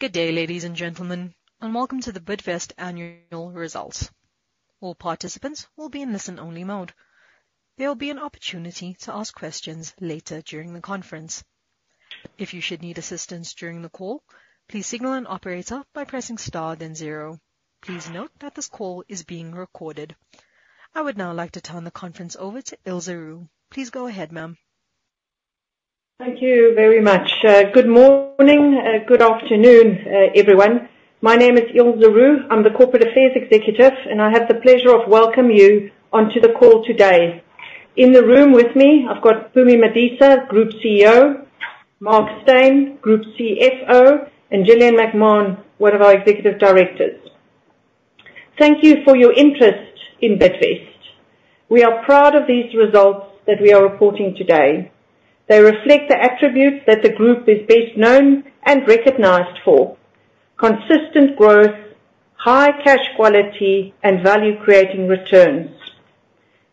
Good day, ladies and gentlemen, and welcome to the Bidvest Annual Results. All participants will be in listen-only mode. There will be an opportunity to ask questions later during the conference. If you should need assistance during the call, please signal an operator by pressing star then zero. Please note that this call is being recorded. I would now like to turn the conference over to Ilze Roux. Please go ahead, ma'am. Thank you very much. Good morning, good afternoon, everyone. My name is Ilze Roux. I'm the corporate affairs executive, and I have the pleasure of welcoming you onto the call today. In the room with me, I've got Mpumi Madisa, Group CEO, Mark Steyn, Group CFO, and Gillian McMahon, one of our executive directors. Thank you for your interest in Bidvest. We are proud of these results that we are reporting today. They reflect the attributes that the group is best known and recognized for: consistent growth, high cash quality, and value-creating returns.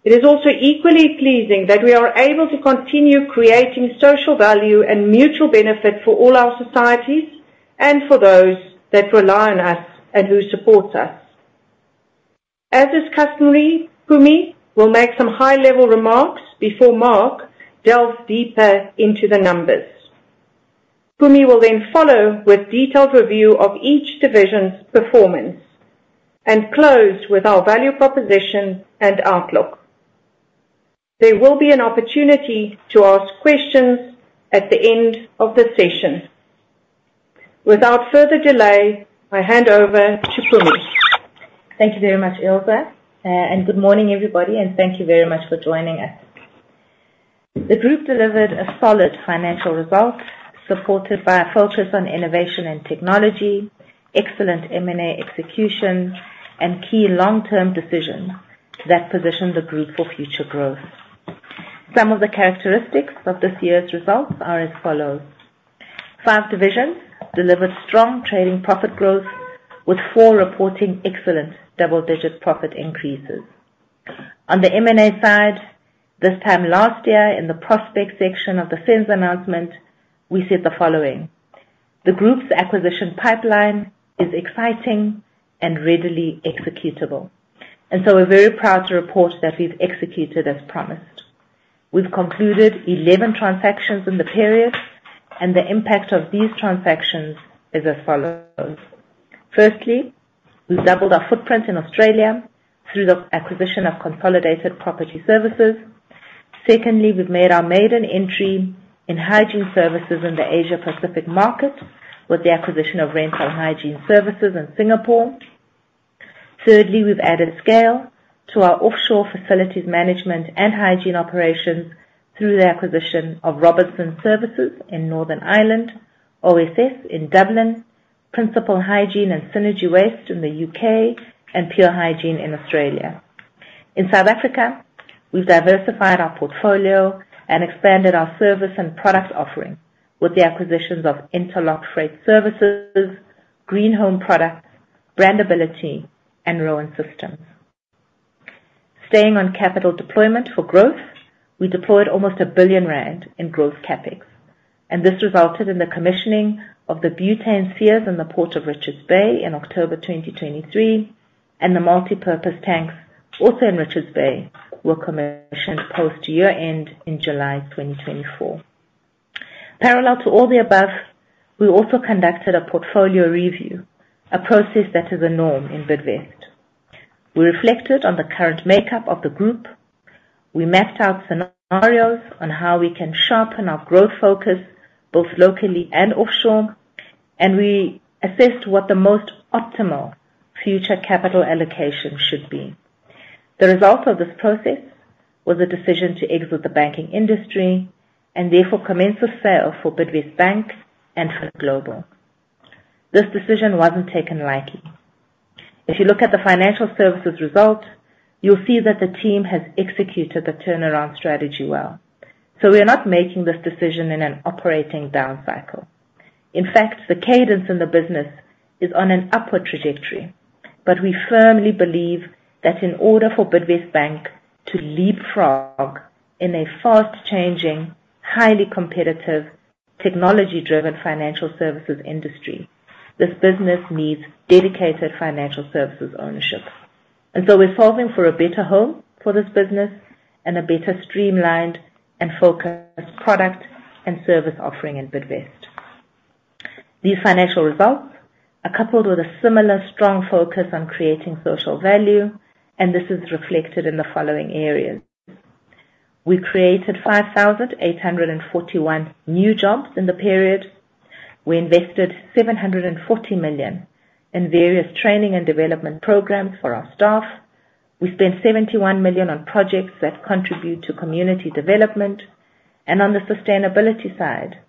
It is also equally pleasing that we are able to continue creating social value and mutual benefit for all our societies and for those that rely on us and who support us. As is customary, Mpumi will make some high-level remarks before Mark delves deeper into the numbers. Mpumi will then follow with detailed review of each division's performance and close with our value proposition and outlook. There will be an opportunity to ask questions at the end of the session. Without further delay, I hand over to Mpumi. Thank you very much, Ilse. And good morning, everybody, and thank you very much for joining us. The group delivered a solid financial result, supported by a focus on innovation and technology, excellent M&A execution, and key long-term decisions that position the group for future growth. Some of the characteristics of this year's results are as follows: Five divisions delivered strong trading profit growth, with four reporting excellent double-digit profit increases. On the M&A side, this time last year, in the prospect section of the SENS announcement, we said the following: "The group's acquisition pipeline is exciting and readily executable." And so we're very proud to report that we've executed as promised. We've concluded 11 transactions in the period, and the impact of these transactions is as follows: firstly, we've doubled our footprint in Australia through the acquisition of Consolidated Property Services. Secondly, we've made our maiden entry in hygiene services in the Asia Pacific market with the acquisition of Rental Hygiene Services in Singapore. Thirdly, we've added scale to our offshore facilities management and hygiene operations through the acquisition of Robinson Services in Northern Ireland, OSS in Dublin, Principal Hygiene and Synergy Washrooms in the U.K., and Pure Hygiene in Australia. In South Africa, we've diversified our portfolio and expanded our service and product offering with the acquisitions of Interlock Freight Services, Green Home, Brandability, and Roan Systems. Staying on capital deployment for growth, we deployed almost 1 billion rand in growth CapEx, and this resulted in the commissioning of the butane spheres in the Port of Richards Bay in October 2023, and the multipurpose tanks, also in Richards Bay, were commissioned post-year end in July 2024. Parallel to all the above, we also conducted a portfolio review, a process that is a norm in Bidvest. We reflected on the current makeup of the group, we mapped out scenarios on how we can sharpen our growth focus, both locally and offshore, and we assessed what the most optimal future capital allocation should be. The result of this process was a decision to exit the banking industry and therefore commence a sale for Bidvest Bank and FinGlobal. This decision wasn't taken lightly. If you look at the financial services result, you'll see that the team has executed the turnaround strategy well. So we are not making this decision in an operating down cycle. In fact, the cadence in the business is on an upward trajectory, but we firmly believe that in order for Bidvest Bank to leapfrog in a fast-changing, highly competitive, technology-driven financial services industry, this business needs dedicated financial services ownership. And so we're solving for a better home for this business and a better streamlined and focused product and service offering in Bidvest. These financial results are coupled with a similar strong focus on creating social value, and this is reflected in the following areas: We created 5,841 new jobs in the period. We invested 740 million in various training and development programs for our staff. We spent 71 million on projects that contribute to community development. And on the sustainability side,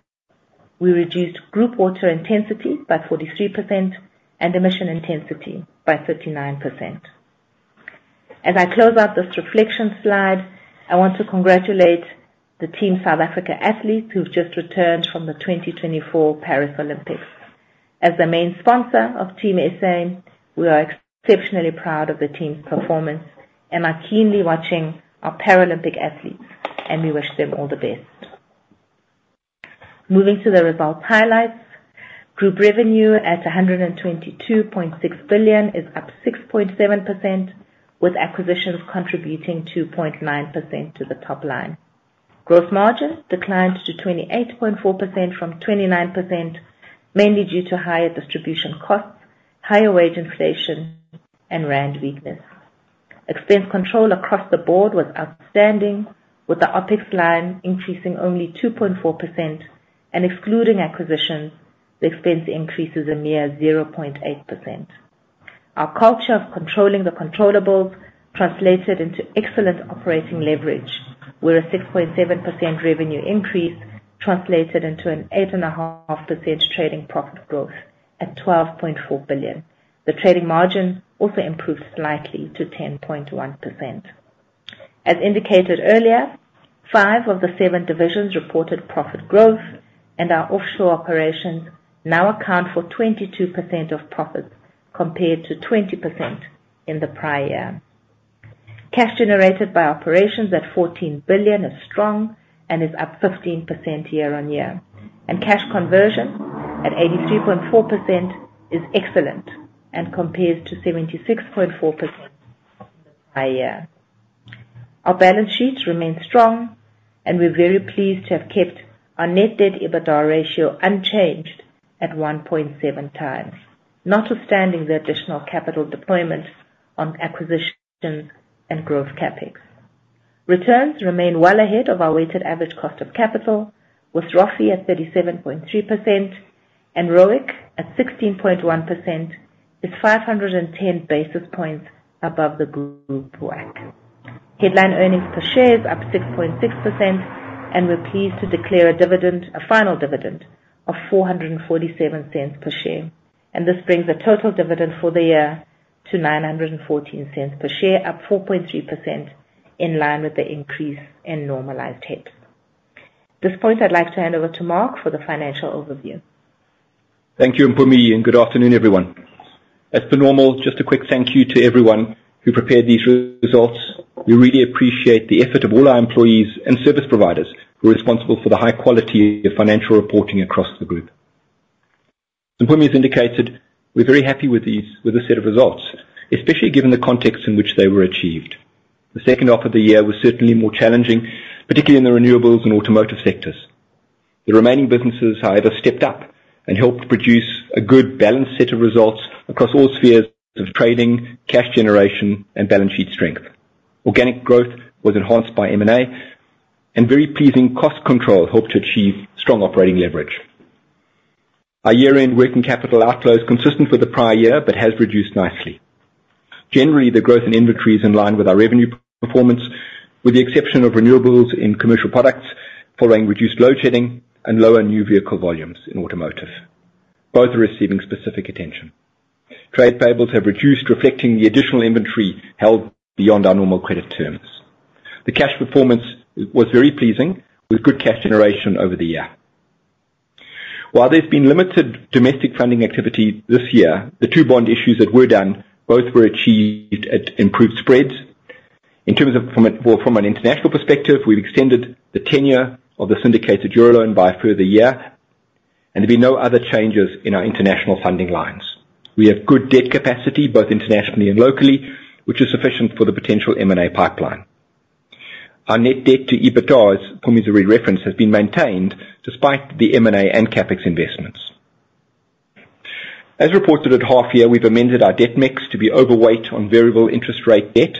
we reduced group water intensity by 43% and emission intensity by 39%. As I close out this reflection slide, I want to congratulate the Team South Africa athletes who've just returned from the 2024 Paris Olympics. As the main sponsor of Team SA, we are exceptionally proud of the team's performance and are keenly watching our Paralympic athletes and we wish them all the best. Moving to the results highlights. Group revenue at 122.6 billion is up 6.7%, with acquisitions contributing 2.9% to the top line. Gross margin declined to 28.4% from 29%, mainly due to higher distribution costs, higher wage inflation, and rand weakness. Expense control across the board was outstanding, with the OpEx line increasing only 2.4% and excluding acquisitions, the expense increases a mere 0.8%. Our culture of controlling the controllables translated into excellent operating leverage, where a 6.7% revenue increase translated into an 8.5% trading profit growth at 12.4 billion. The trading margin also improved slightly to 10.1%. As indicated earlier, five of the seven divisions reported profit growth, and our offshore operations now account for 22% of profits, compared to 20% in the prior year. Cash generated by operations at 14 billion is strong and is up 15% year on year, and cash conversion at 83.4% is excellent and compares to 76.4% prior year. Our balance sheets remain strong, and we're very pleased to have kept our net debt EBITDA ratio unchanged at 1.7x, notwithstanding the additional capital deployments on acquisition and growth CapEx. Returns remain well ahead of our weighted average cost of capital, with ROFE at 37.3% and ROIC at 16.1%, is 510 basis points above the group WACC. Headline earnings per share is up 6.6%, and we're pleased to declare a dividend, a final dividend of 4.47 per share. This brings the total dividend for the year to 9.14 per share, up 4.3%, in line with the increase in normalized HEPS. At this point, I'd like to hand over to Mark for the financial overview. Thank you, Mpumi, and good afternoon, everyone. As per normal, just a quick thank you to everyone who prepared these results. We really appreciate the effort of all our employees and service providers who are responsible for the high quality of financial reporting across the group. Mpumi has indicated we're very happy with these, with this set of results, especially given the context in which they were achieved. The second half of the year was certainly more challenging, particularly in the renewables and automotive sectors. The remaining businesses, however, stepped up and helped produce a good balanced set of results across all spheres of trading, cash generation, and balance sheet strength. Organic growth was enhanced by M&A, and very pleasing cost control helped to achieve strong operating leverage. Our year-end working capital outflow is consistent with the prior year, but has reduced nicely. Generally, the growth in inventory is in line with our revenue performance, with the exception of renewables in commercial products, following reduced load shedding and lower new vehicle volumes in automotive. Both are receiving specific attention. Trade payables have reduced, reflecting the additional inventory held beyond our normal credit terms. The cash performance was very pleasing, with good cash generation over the year. While there's been limited domestic funding activity this year, the two bond issues that were done both were achieved at improved spreads. In terms of, well, from an international perspective, we've extended the tenure of the syndicated euro loan by a further year, and there'll be no other changes in our international funding lines. We have good debt capacity, both internationally and locally, which is sufficient for the potential M&A pipeline. Our net debt to EBITDA, as Mpumi referrenced, has been maintained despite the M&A and CapEx investments. As reported at half year, we've amended our debt mix to be overweight on variable interest rate debt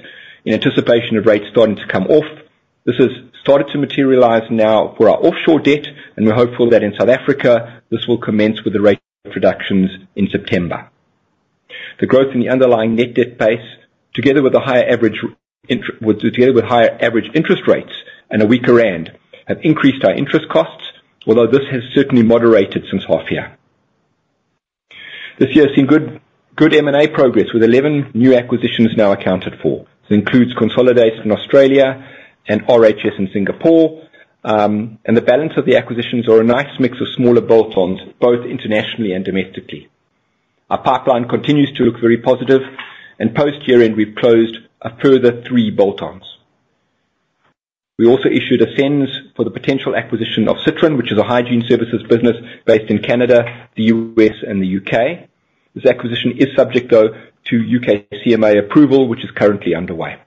in anticipation of rates starting to come off. This has started to materialize now for our offshore debt, and we're hopeful that in South Africa, this will commence with the rate reductions in September. The growth in the underlying net debt base, together with higher average interest rates and a weaker rand, have increased our interest costs, although this has certainly moderated since half year. This year has seen good M&A progress, with 11 new acquisitions now accounted for. This includes Consolidated in Australia and RHS in Singapore, and the balance of the acquisitions are a nice mix of smaller bolt-ons, both internationally and domestically. Our pipeline continues to look very positive, and post-year end, we've closed a further three bolt-ons. We also issued a SENS for the potential acquisition of Citron, which is a hygiene services business based in Canada, the U.S., and the U.K. This acquisition is subject, though, to U.K. CMA approval, which is currently underway.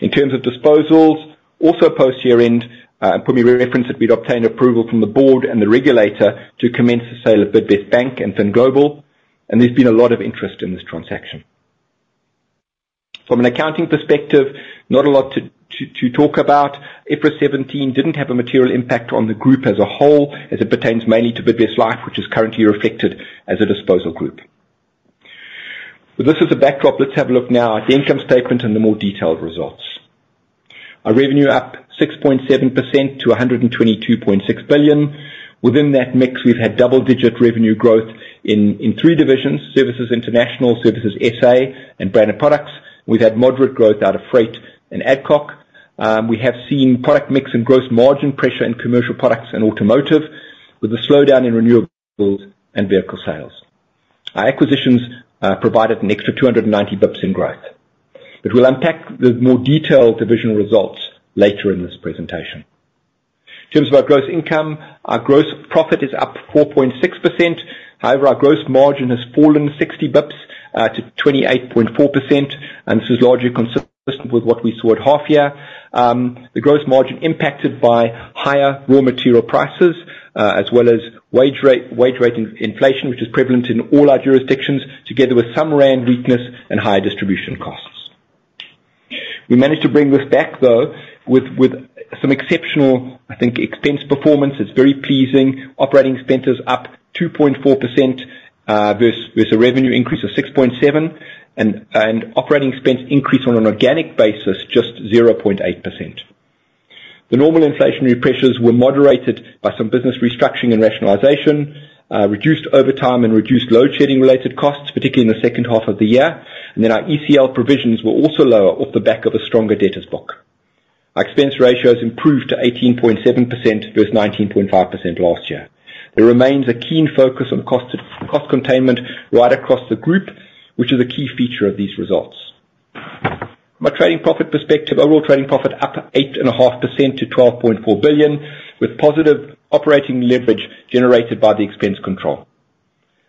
In terms of disposals, also post year-end, Mpumi referenced that we'd obtained approval from the board and the regulator to commence the sale of Bidvest Bank and FinGlobal, and there's been a lot of interest in this transaction. From an accounting perspective, not a lot to talk about. IFRS 17 didn't have a material impact on the group as a whole, as it pertains mainly to Bidvest Life, which is currently reflected as a disposal group. With this as a backdrop, let's have a look now at the income statement and the more detailed results. Our revenue up 6.7% to 122.6 billion. Within that mix, we've had double-digit revenue growth in three divisions: Services International, Services SA, and Branded Products. We've had moderate growth out of Freight and Adcock. We have seen product mix and gross margin pressure in commercial products and automotive, with a slowdown in renewable and vehicle sales. Our acquisitions provided an extra 290 basis points in growth. But we'll unpack the more detailed division results later in this presentation. In terms of our gross income, our gross profit is up 4.6%. However, our gross margin has fallen 60 basis points to 28.4%, and this is largely consistent with what we saw at half year. The gross margin impacted by higher raw material prices, as well as wage rate inflation, which is prevalent in all our jurisdictions, together with some rand weakness and higher distribution costs. We managed to bring this back, though, with some exceptional, I think, expense performance. It's very pleasing. Operating expense is up 2.4% versus a revenue increase of 6.7, and operating expense increase on an organic basis, just 0.8%. The normal inflationary pressures were moderated by some business restructuring and rationalization, reduced overtime and reduced load-shedding related costs, particularly in the second half of the year, and then our ECL provisions were also lower off the back of a stronger debtors book. Our expense ratios improved to 18.7% versus 19.5% last year. There remains a keen focus on cost, cost containment right across the group, which is a key feature of these results. From a trading profit perspective, overall trading profit up 8.5% to 12.4 billion, with positive operating leverage generated by the expense control.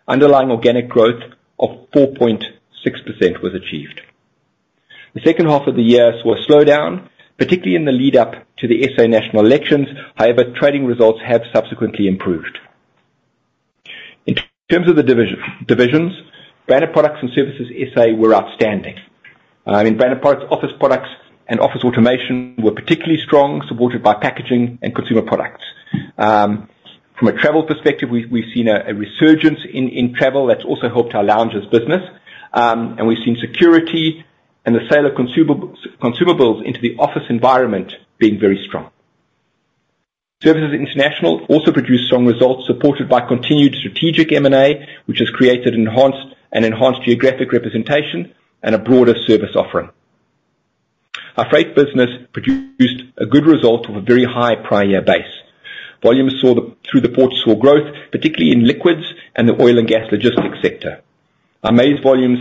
Underlying organic growth of 4.6% was achieved. The second half of the year saw a slowdown, particularly in the lead up to the SA national elections, however, trading results have subsequently improved. In terms of the division, divisions, branded products and services, SA were outstanding. In branded products, office products and office automation were particularly strong, supported by packaging and consumer products. From a travel perspective, we've seen a resurgence in travel that's also helped our lounges business. And we've seen security and the sale of consumables into the office environment being very strong. Services International also produced strong results, supported by continued strategic M&A, which has created an enhanced geographic representation and a broader service offering. Our freight business produced a good result off a very high prior year base. Volumes through the ports saw growth, particularly in liquids and the oil and gas logistics sector. Our maize volumes,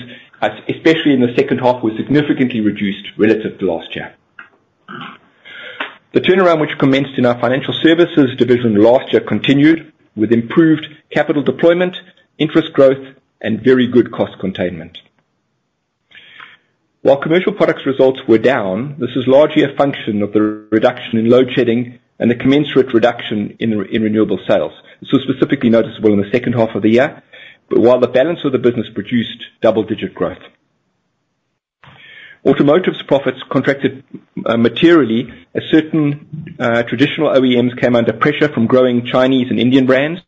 especially in the second half, were significantly reduced relative to last year. The turnaround, which commenced in our financial services division last year, continued with improved capital deployment, interest growth, and very good cost containment. While commercial products results were down, this is largely a function of the reduction in load shedding and the commensurate reduction in renewable sales. This was specifically noticeable in the second half of the year, but while the balance of the business produced double-digit growth. Automotive's profits contracted materially, as certain traditional OEMs came under pressure from growing Chinese and Indian brands,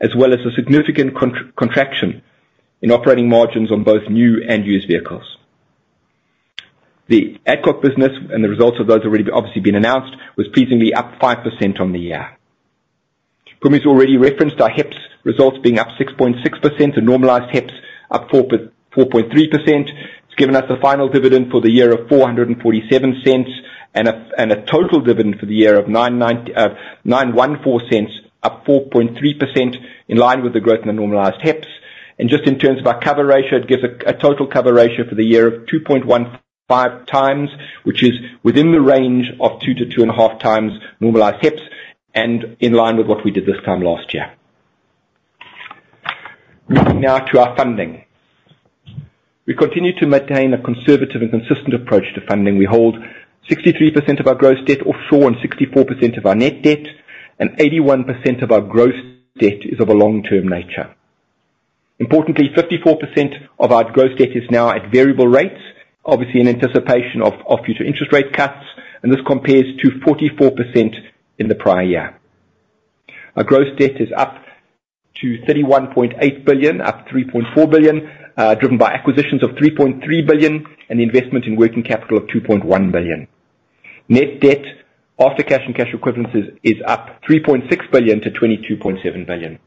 as well as a significant contraction in operating margins on both new and used vehicles. The Adcock business, and the results of those have already obviously been announced, was pleasingly up 5% on the year. Mpumi has already referenced our HEPS results being up 6.6%, and normalized HEPS up 4.3%. It's given us a final dividend for the year of 447 cents, and a total dividend for the year of 914 cents, up 4.3%, in line with the growth in the normalized HEPS. Just in terms of our cover ratio, it gives a total cover ratio for the year of 2.15x, which is within the range of 2 to 2.5x normalized HEPS, and in line with what we did this time last year. Moving now to our funding. We continue to maintain a conservative and consistent approach to funding. We hold 63% of our gross debt offshore, and 64% of our net debt, and 81% of our gross debt is of a long-term nature. Importantly, 54% of our gross debt is now at variable rates, obviously in anticipation of future interest rate cuts, and this compares to 44% in the prior year. Our gross debt is up to 31.8 billion, up 3.4 billion, driven by acquisitions of 3.3 billion, and the investment in working capital of 2.1 billion. Net debt, after cash and cash equivalents, is up 3.6 billion to 22.7 billion.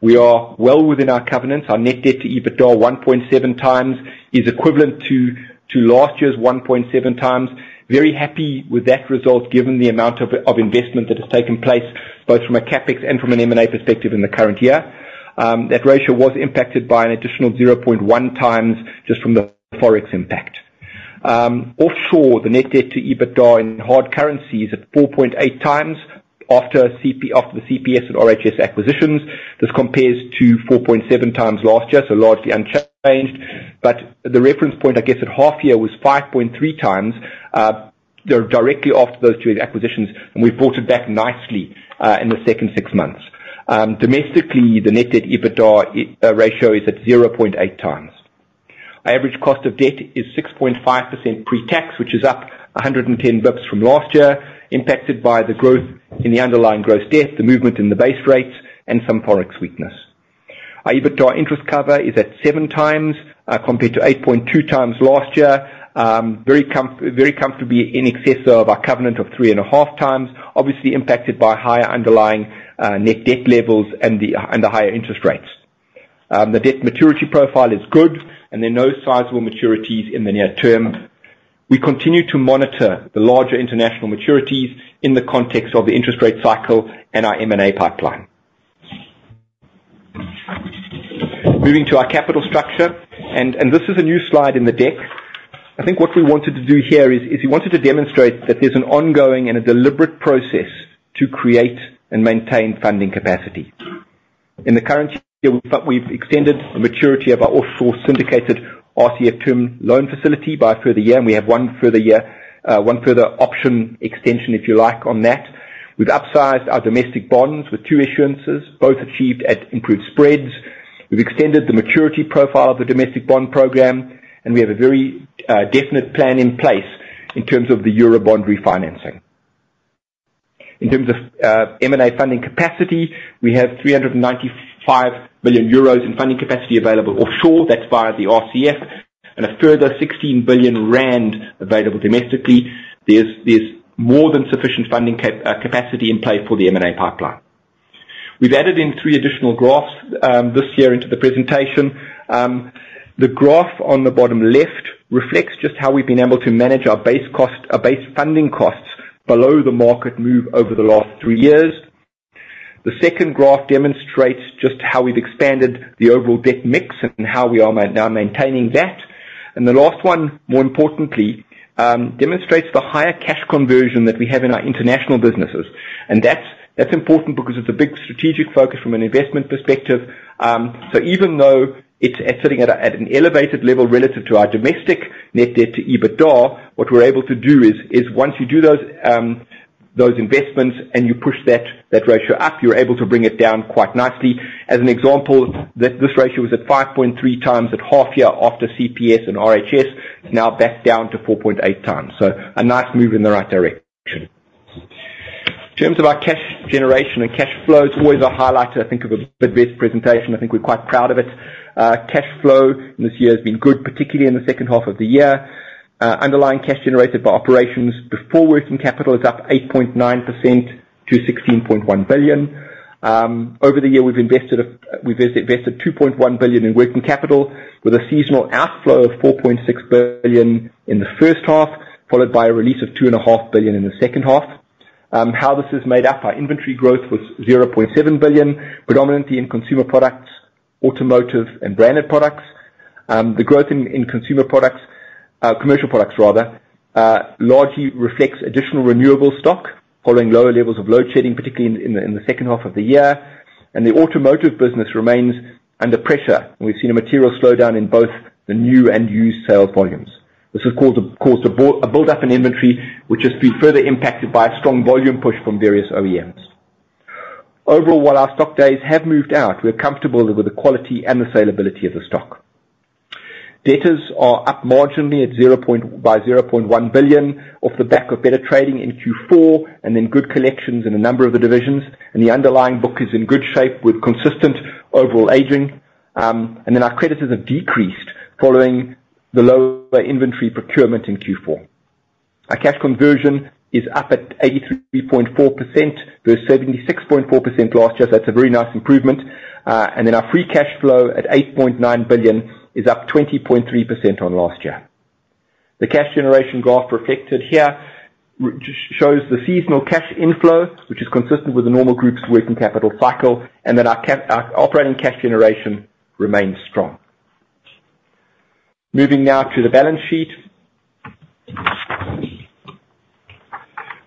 We are well within our covenants. Our net debt to EBITDA, 1.7x, is equivalent to last year's 1.7x. Very happy with that result, given the amount of investment that has taken place, both from a CapEx and from an M&A perspective in the current year. That ratio was impacted by an additional 0.1x just from the Forex impact. Offshore, the net debt to EBITDA in hard currency is at 4.8x after the CPS and RHS acquisitions. This compares to 4.7x last year, so largely unchanged. The reference point, I guess, at half year was 5.3x there, directly after those two acquisitions, and we've brought it back nicely in the second six months. Domestically, the net debt to EBITDA ratio is at 0.8x. Our average cost of debt is 6.5% pre-tax, which is up 110 basis points from last year, impacted by the growth in the underlying gross debt, the movement in the base rates, and some Forex weakness. Our EBITDA interest cover is at 7x, compared to 8.2x last year, very comfortably in excess of our covenant of 3.5x, obviously impacted by higher underlying net debt levels and the higher interest rates. The debt maturity profile is good, and there are no sizable maturities in the near term. We continue to monitor the larger international maturities in the context of the interest rate cycle and our M&A pipeline. Moving to our capital structure. This is a new slide in the deck. I think what we wanted to do here is we wanted to demonstrate that there's an ongoing and a deliberate process to create and maintain funding capacity. In the current year, we've extended the maturity of our offshore syndicated RCF term loan facility by a further year, and we have one further year, one further option extension, if you like, on that. We've upsized our domestic bonds with two issuances, both achieved at improved spreads. We've extended the maturity profile of the domestic bond program, and we have a very definite plan in place in terms of the Eurobond refinancing. In terms of M&A funding capacity, we have 395 million euros in funding capacity available offshore. That's via the RCF, and a further 16 billion rand available domestically. There's more than sufficient funding capacity in play for the M&A pipeline. We've added in three additional graphs this year into the presentation. The graph on the bottom left reflects just how we've been able to manage our base funding costs below the market move over the last three years. The second graph demonstrates just how we've expanded the overall debt mix and how we are now maintaining that. The last one, more importantly, demonstrates the higher cash conversion that we have in our international businesses. That's important because it's a big strategic focus from an investment perspective. So even though it's sitting at an elevated level relative to our domestic net debt to EBITDA, what we're able to do is once you do those investments and you push that ratio up, you're able to bring it down quite nicely. As an example, this ratio was at 5.3x at half year after CPS and RHS, now back down to 4.8x. So a nice move in the right direction. In terms of our cash generation and cash flow, it's always a highlight, I think, of the Bidvest presentation. I think we're quite proud of it. Cash flow this year has been good, particularly in the second half of the year. Underlying cash generated by operations before working capital is up 8.9% to 16.1 billion. Over the year, we've invested 2.1 billion in working capital with a seasonal outflow of 4.6 billion in the first half, followed by a release of 2.5 billion in the second half. How this is made up, our inventory growth was 0.7 billion, predominantly in consumer products, automotive and branded products. The growth in consumer products, commercial products rather, largely reflects additional renewable stock following lower levels of load shedding, particularly in the second half of the year. The automotive business remains under pressure, and we've seen a material slowdown in both the new and used sales volumes. This has caused a buildup in inventory, which has been further impacted by a strong volume push from various OEMs. Overall, while our stock days have moved out, we're comfortable with the quality and the salability of the stock. Debtors are up marginally at zero point. By 0.1 billion, off the back of better trading in Q4, and then good collections in a number of the divisions, and the underlying book is in good shape with consistent overall aging. And then our creditors have decreased following the lower inventory procurement in Q4. Our cash conversion is up at 83.4% versus 76.4% last year. So that's a very nice improvement. And then our free cash flow at 8.9 billion is up 20.3% on last year. The cash generation graph reflected here just shows the seasonal cash inflow, which is consistent with the normal group's working capital cycle, and that our operating cash generation remains strong. Moving now to the balance sheet.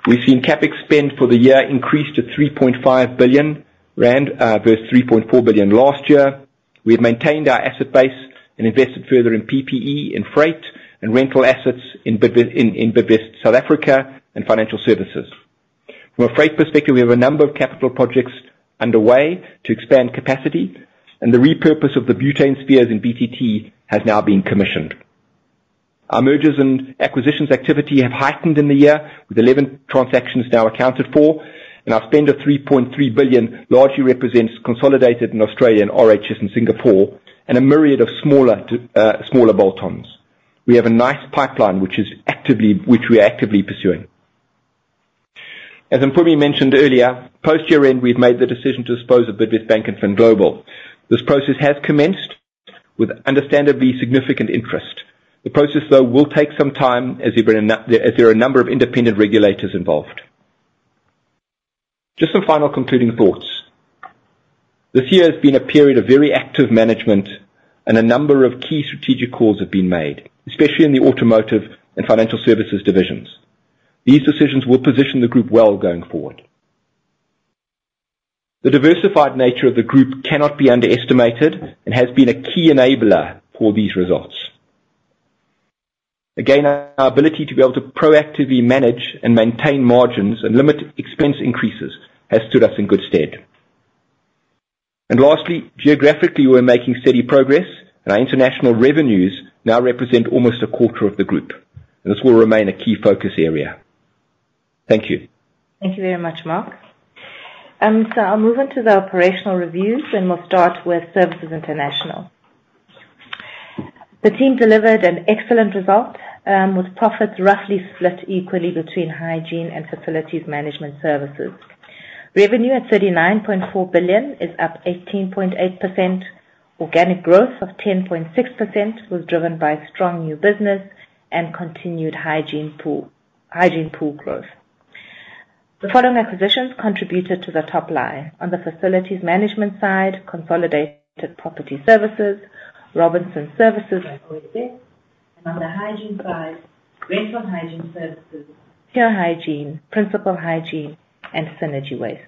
We've seen CapEx spend for the year increase to 3.5 billion rand, versus 3.4 billion last year. We've maintained our asset base and invested further in PPE, in freight, and rental assets in Bidvest South Africa and financial services. From a freight perspective, we have a number of capital projects underway to expand capacity, and the repurpose of the butane spheres in BTT has now been commissioned. Our mergers and acquisitions activity have heightened in the year, with 11 transactions now accounted for, and our spend of 3.3 billion largely represents Consolidated in Australia and RHS and Singapore, and a myriad of smaller bolt-ons. We have a nice pipeline which we are actively pursuing. As I probably mentioned earlier, post-year-end, we've made the decision to dispose of Bidvest Bank and FinGlobal. This process has commenced with understandably significant interest. The process, though, will take some time, as there are a number of independent regulators involved. Just some final concluding thoughts. This year has been a period of very active management, and a number of key strategic calls have been made, especially in the automotive and financial services divisions. These decisions will position the group well going forward. The diversified nature of the group cannot be underestimated and has been a key enabler for these results. Again, our ability to be able to proactively manage and maintain margins and limit expense increases has stood us in good stead. And lastly, geographically, we're making steady progress, and our international revenues now represent almost a quarter of the group. This will remain a key focus area. Thank you. Thank you very much, Mark. I'll move into the operational reviews, and we'll start with Services International. The team delivered an excellent result, with profits roughly split equally between hygiene and facilities management services. Revenue at 39.4 billion is up 18.8%. Organic growth of 10.6% was driven by strong new business and continued hygiene pool growth. The following acquisitions contributed to the top line. On the facilities management side, Consolidated Property Services, Robinson Services, and on the hygiene side, Rental Hygiene Services, Pure Hygiene, Principal Hygiene, and Synergy Washrooms.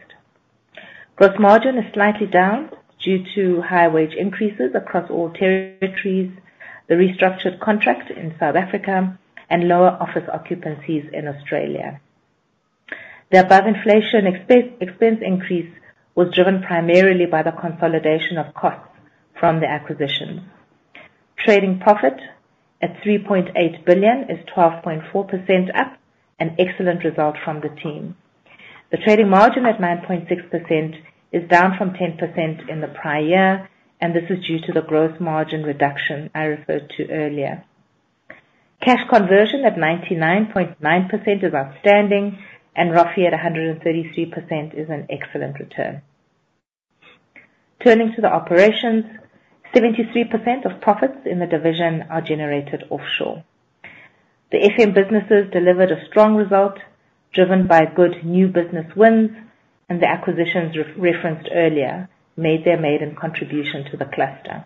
Gross margin is slightly down due to high wage increases across all territories, the restructured contracts in South Africa, and lower office occupancies in Australia. The above inflation expense increase was driven primarily by the consolidation of costs from the acquisition. Trading profit at 3.8 billion is 12.4% up, an excellent result from the team. The trading margin at 9.6% is down from 10% in the prior year, and this is due to the growth margin reduction I referred to earlier. Cash conversion at 99.9% is outstanding, and ROFE at 133% is an excellent return. Turning to the operations, 73% of profits in the division are generated offshore. The FM businesses delivered a strong result, driven by good new business wins, and the acquisitions referenced earlier made their maiden contribution to the cluster.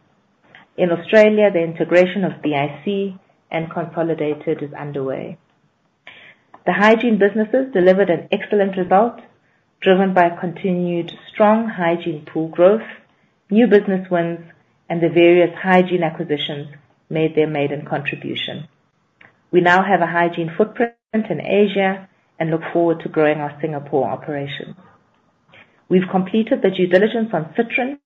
In Australia, the integration of BIC and Consolidated is underway. The hygiene businesses delivered an excellent result, driven by continued strong hygiene pool growth, new business wins, and the various hygiene acquisitions made their maiden contribution. We now have a hygiene footprint in Asia and look forward to growing our Singapore operations. We've completed the due diligence on Citron.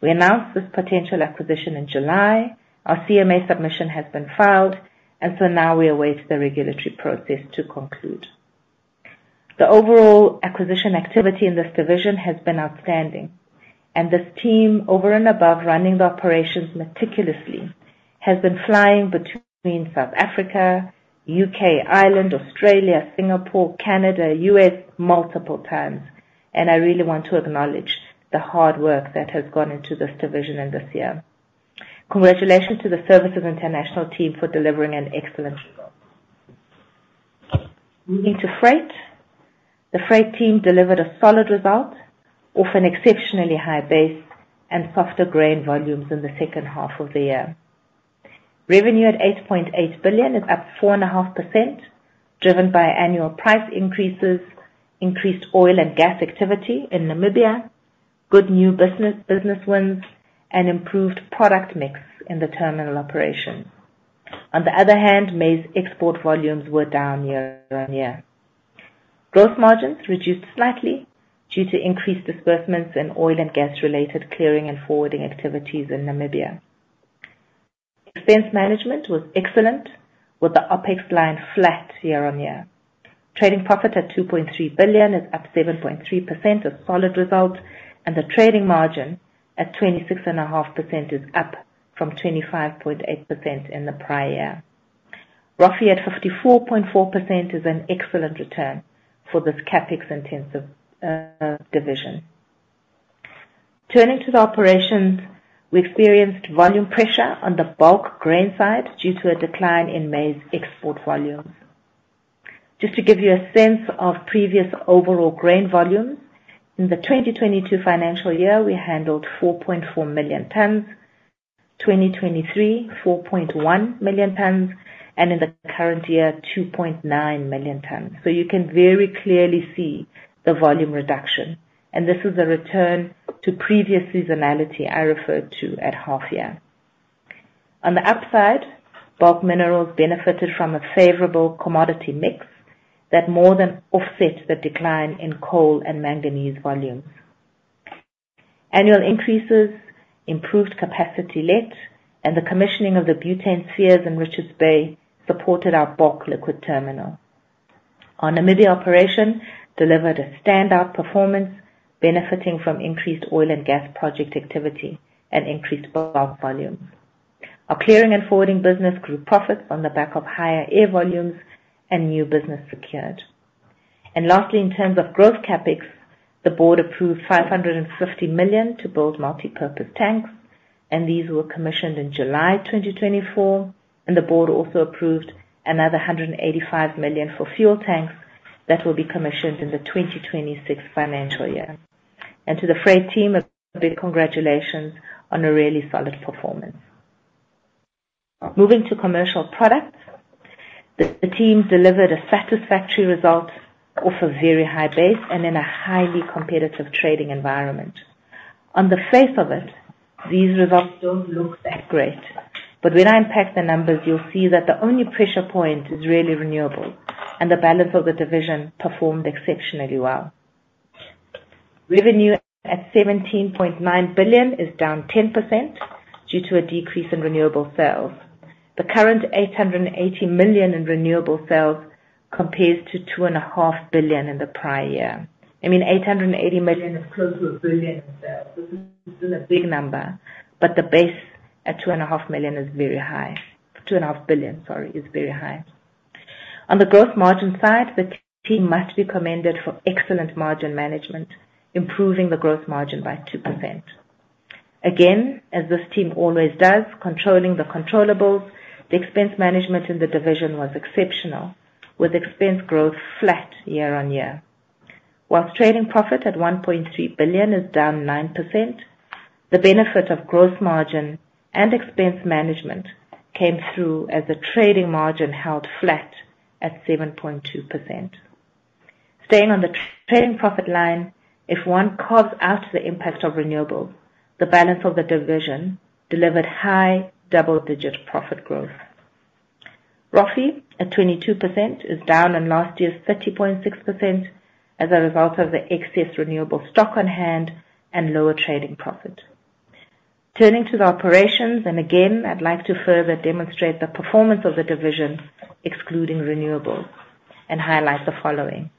We announced this potential acquisition in July. Our CMA submission has been filed, and so now we await the regulatory process to conclude. The overall acquisition activity in this division has been outstanding, and this team, over and above running the operations meticulously, has been flying between South Africa, U.K., Ireland, Australia, Singapore, Canada, U.S., multiple times, and I really want to acknowledge the hard work that has gone into this division in this year. Congratulations to the Services International team for delivering an excellent result. Moving to Freight. The Freight team delivered a solid result off an exceptionally high base and softer grain volumes in the second half of the year. Revenue at 8.8 billion is up 4.5%, driven by annual price increases, increased oil and gas activity in Namibia, good new business, business wins, and improved product mix in the terminal operation. On the other hand, maize export volumes were down year on year. Gross margins reduced slightly due to increased disbursements in oil and gas-related clearing and forwarding activities in Namibia. Expense management was excellent, with the OpEx line flat year on year. Trading profit at 2.3 billion is up 7.3%, a solid result, and the trading margin at 26.5% is up from 25.8% in the prior year. ROFE at 54.4% is an excellent return for this CapEx-intensive division. Turning to the operations, we experienced volume pressure on the bulk grain side due to a decline in maize export volumes. Just to give you a sense of previous overall grain volumes, in the 2022 financial year, we handled 4.4 million tons, 2023, 4.1 million tons, and in the current year, 2.9 million tons. So you can very clearly see the volume reduction, and this is a return to previous seasonality I referred to at half year. On the upside, bulk minerals benefited from a favorable commodity mix that more than offset the decline in coal and manganese volumes. Annual increases, improved capacity utilization, and the commissioning of the butane spheres in Richards Bay supported our bulk liquid terminal. Our Namibia operation delivered a standout performance benefiting from increased oil and gas project activity and increased bulk volumes. Our clearing and forwarding business grew profits on the back of higher air volumes and new business secured. And lastly, in terms of growth CapEx, the board approved 550 million to build multipurpose tanks, and these were commissioned in July 2024, and the board also approved another 185 million for fuel tanks that will be commissioned in the 2026 financial year. And to the freight team, a big congratulations on a really solid performance. Moving to commercial products, the team delivered a satisfactory result off a very high base and in a highly competitive trading environment. On the face of it, these results don't look that great, but when I unpack the numbers, you'll see that the only pressure point is really renewable, and the balance of the division performed exceptionally well. Revenue at 17.9 billion is down 10% due to a decrease in renewable sales. The current 880 million in renewable sales compares to 2.5 billion in the prior year. I mean, 880 million is close to a billion in sales. This is still a big number, but the base at 2.5 million is very high. 2.5 billion, sorry, is very high. On the gross margin side, the team must be commended for excellent margin management, improving the gross margin by 2%. Again, as this team always does, controlling the controllables, the expense management in the division was exceptional, with expense growth flat year on year. While trading profit at 1.3 billion is down 9%, the benefit of gross margin and expense management came through as the trading margin held flat at 7.2%. Staying on the trading profit line, if one carves out the impact of renewables, the balance of the division delivered high double-digit profit growth. ROFE, at 22%, is down on last year's 30.6% as a result of the excess renewable stock on hand and lower trading profit. Turning to the operations, and again, I'd like to further demonstrate the performance of the division, excluding renewables, and highlight the following: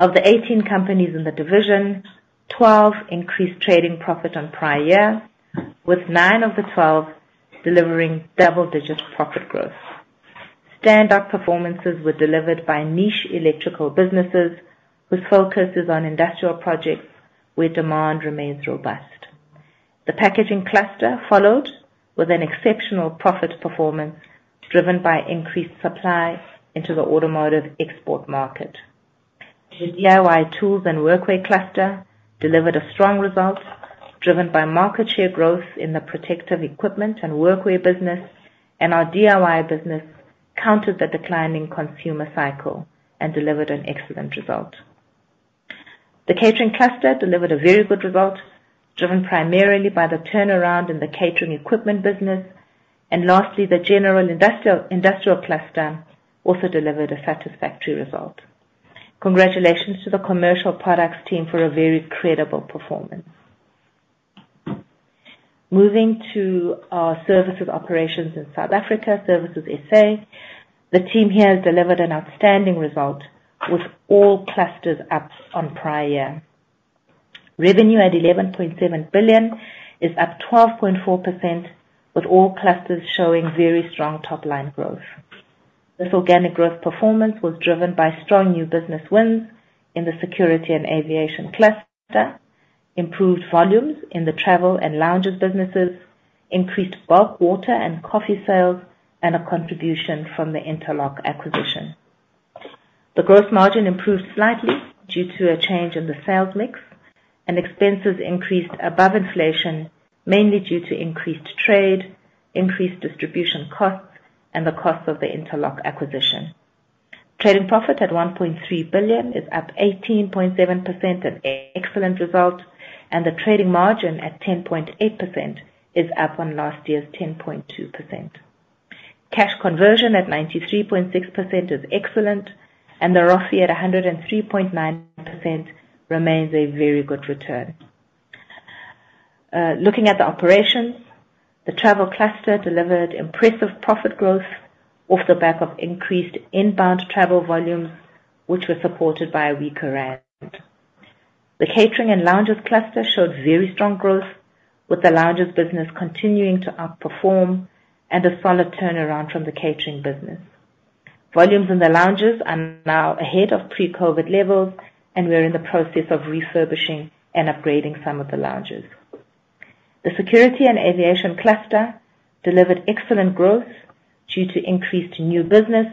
Of the 18 companies in the division, 12 increased trading profit on prior year, with nine of the 12 delivering double-digit profit growth. Standout performances were delivered by niche electrical businesses, whose focus is on industrial projects where demand remains robust. The packaging cluster followed with an exceptional profit performance, driven by increased supply into the automotive export market. The DIY tools and workwear cluster delivered a strong result, driven by market share growth in the protective equipment and workwear business, and our DIY business countered the declining consumer cycle and delivered an excellent result. The catering cluster delivered a very good result, driven primarily by the turnaround in the catering equipment business. And lastly, the general industrial cluster also delivered a satisfactory result. Congratulations to the commercial products team for a very credible performance. Moving to our services operations in South Africa, Services SA. The team here has delivered an outstanding result with all clusters up on prior year. Revenue at 11.7 billion is up 12.4%, with all clusters showing very strong top-line growth. This organic growth performance was driven by strong new business wins in the security and aviation cluster, improved volumes in the travel and lounges businesses, increased bulk water and coffee sales, and a contribution from the Interlock acquisition. The gross margin improved slightly due to a change in the sales mix, and expenses increased above inflation, mainly due to increased trade, increased distribution costs, and the cost of the Interlock acquisition. Trading profit at 1.3 billion is up 18.7%, an excellent result, and the trading margin at 10.8% is up on last year's 10.2%. Cash conversion at 93.6% is excellent, and the ROFE at 103.9% remains a very good return. Looking at the operations, the travel cluster delivered impressive profit growth off the back of increased inbound travel volumes, which were supported by a weaker rand. The catering and lounges cluster showed very strong growth, with the lounges business continuing to outperform and a solid turnaround from the catering business. Volumes in the lounges are now ahead of pre-COVID levels, and we are in the process of refurbishing and upgrading some of the lounges. The security and aviation cluster delivered excellent growth due to increased new business,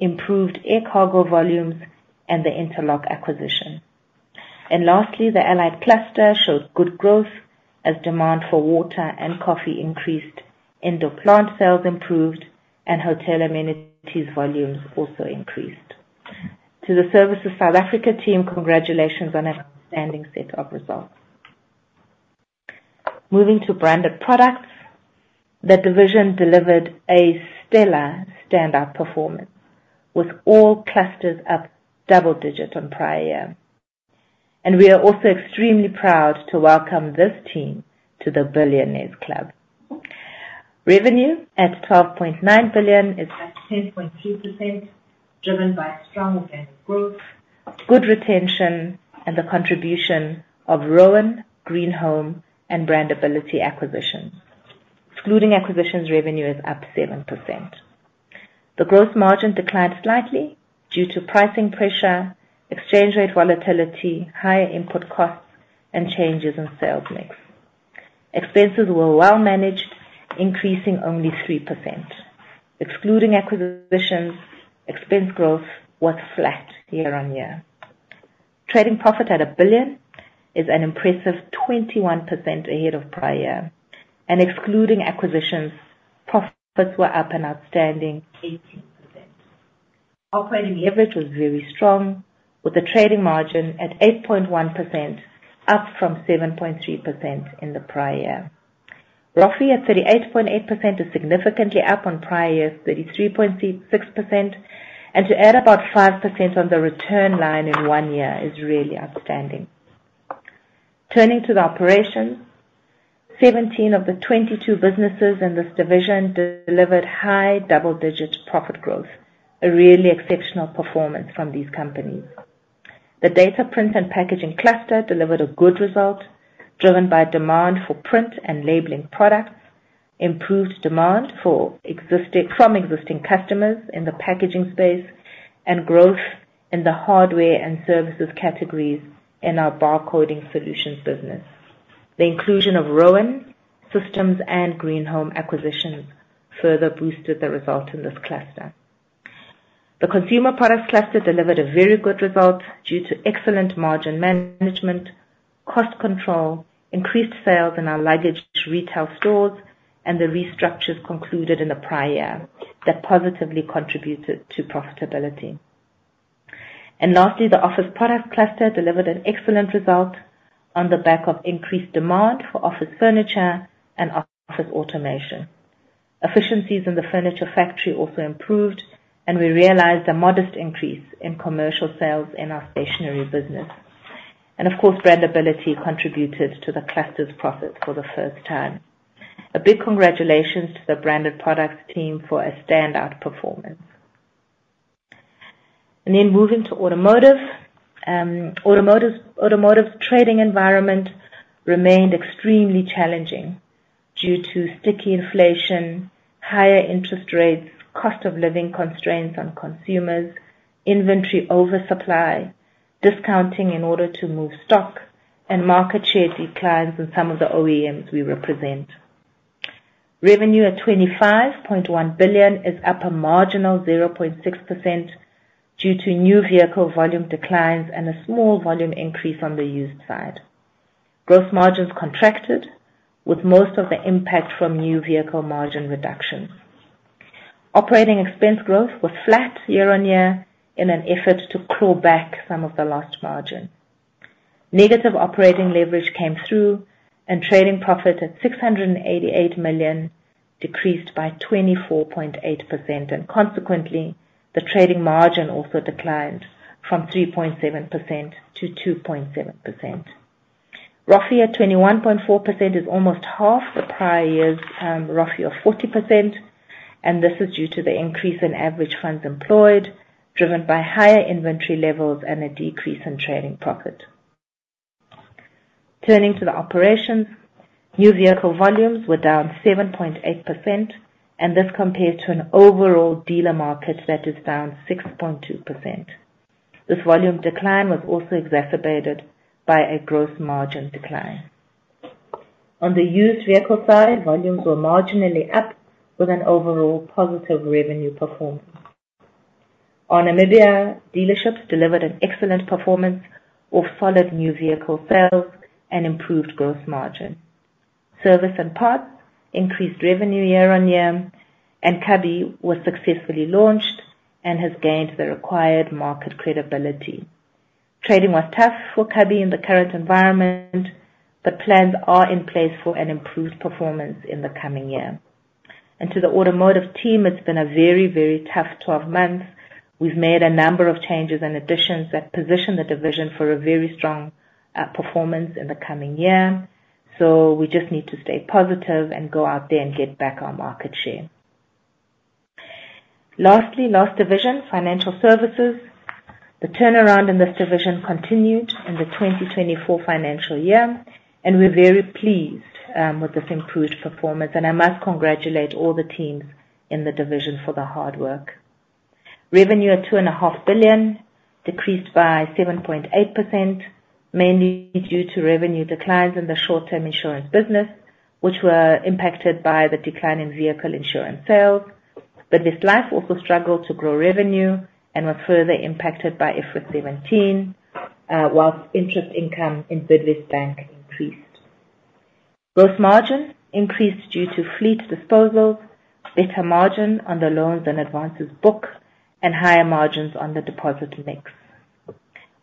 improved air cargo volumes, and the Interlock acquisition. Lastly, the allied cluster showed good growth as demand for water and coffee increased, indoor plant sales improved, and hotel amenities volumes also increased. To the Services South Africa team, congratulations on an outstanding set of results. Moving to Branded Products, the division delivered a stellar standout performance with all clusters up double digits on prior year, and we are also extremely proud to welcome this team to the Billionaires' Club. Revenue at 12.9 billion is at 10.2%, driven by strong organic growth, good retention, and the contribution of Roan, Green Home, and Brandability acquisitions. Excluding acquisitions, revenue is up 7%. The gross margin declined slightly due to pricing pressure, exchange rate volatility, higher input costs, and changes in sales mix. Expenses were well managed, increasing only 3%. Excluding acquisitions, expense growth was flat year on year. Trading profit at 1 billion is an impressive 21% ahead of prior year, and excluding acquisitions, profits were up an outstanding 18%. Operating leverage was very strong, with a trading margin at 8.1%, up from 7.3% in the prior year. ROFE at 38.8% is significantly up on prior year's 33.6%, and to add about 5% on the return line in one year is really outstanding. Turning to the operations, 17 of the 22 businesses in this division delivered high double-digit profit growth, a really exceptional performance from these companies. The data print and packaging cluster delivered a good result, driven by demand for print and labeling products, improved demand for existing customers in the packaging space, and growth in the hardware and services categories in our barcoding solutions business. The inclusion of Roan Systems and Green Home acquisitions further boosted the result in this cluster. The consumer products cluster delivered a very good result due to excellent margin management, cost control, increased sales in our luggage retail stores, and the restructures concluded in the prior year that positively contributed to profitability. And lastly, the office product cluster delivered an excellent result on the back of increased demand for office furniture and office automation. Efficiencies in the furniture factory also improved, and we realized a modest increase in commercial sales in our stationery business. And of course, Brandability contributed to the cluster's profits for the first time. A big congratulations to the branded products team for a standout performance. And then moving to automotive. The automotive trading environment remained extremely challenging due to sticky inflation, higher interest rates, cost of living constraints on consumers, inventory oversupply, discounting in order to move stock, and market share declines in some of the OEMs we represent. Revenue at 25.1 billion is up a marginal 0.6% due to new vehicle volume declines and a small volume increase on the used side. Gross margins contracted, with most of the impact from new vehicle margin reductions. Operating expense growth was flat year on year in an effort to claw back some of the lost margin. Negative operating leverage came through, and trading profit at 688 million decreased by 24.8%, and consequently, the trading margin also declined from 3.7% to 2.7%. ROFE at 21.4% is almost half the prior year's ROFE of 40%, and this is due to the increase in average funds employed, driven by higher inventory levels and a decrease in trading profit. Turning to the operations, new vehicle volumes were down 7.8%, and this compares to an overall dealer market that is down 6.2%. This volume decline was also exacerbated by a gross margin decline. On the used vehicle side, volumes were marginally up, with an overall positive revenue performance. Our Namibia dealerships delivered an excellent performance of solid new vehicle sales and improved gross margin. Service and parts increased revenue year on year, and Cubbi was successfully launched and has gained the required market credibility. Trading was tough for Cubbi in the current environment, but plans are in place for an improved performance in the coming year. And to the automotive team, it's been a very, very tough 12 months. We've made a number of changes and additions that position the division for a very strong performance in the coming year. So we just need to stay positive and go out there and get back our market share. Lastly, last division, financial services. The turnaround in this division continued in the 2024 financial year, and we're very pleased with this improved performance, and I must congratulate all the teams in the division for the hard work. Revenue at 2.5 billion decreased by 7.8%, mainly due to revenue declines in the short-term insurance business, which were impacted by the decline in vehicle insurance sales. Bidvest Life also struggled to grow revenue and was further impacted by IFRS 17, whilst interest income in Bidvest Bank increased. Gross margin increased due to fleet disposals, better margin on the loans and advances book, and higher margins on the deposit mix.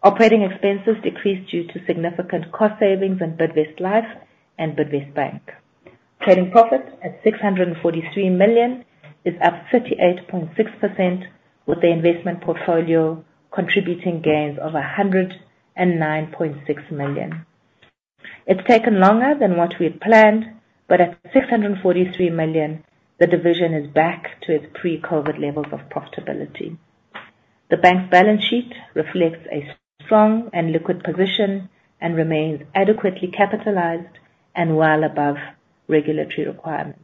Operating expenses decreased due to significant cost savings in Bidvest Bank and Bidvest Life. Trading profit of 643 million is up 38.6%, with the investment portfolio contributing gains of 109.6 million. It's taken longer than what we had planned, but at 643 million, the division is back to its pre-COVID levels of profitability. The bank's balance sheet reflects a strong and liquid position and remains adequately capitalized and well above regulatory requirements.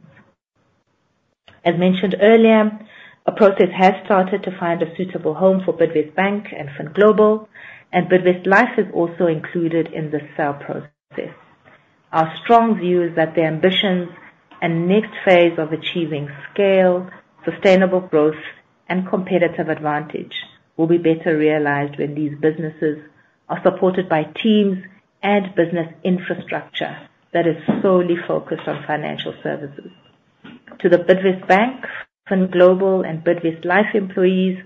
As mentioned earlier, a process has started to find a suitable home for Bidvest Bank and FinGlobal, and Bidvest Life is also included in the sale process. Our strong view is that the ambitions and next phase of achieving scale, sustainable growth, and competitive advantage will be better realized when these businesses are supported by teams and business infrastructure that is solely focused on financial services. To the Bidvest Bank, FinGlobal, and Bidvest Life employees,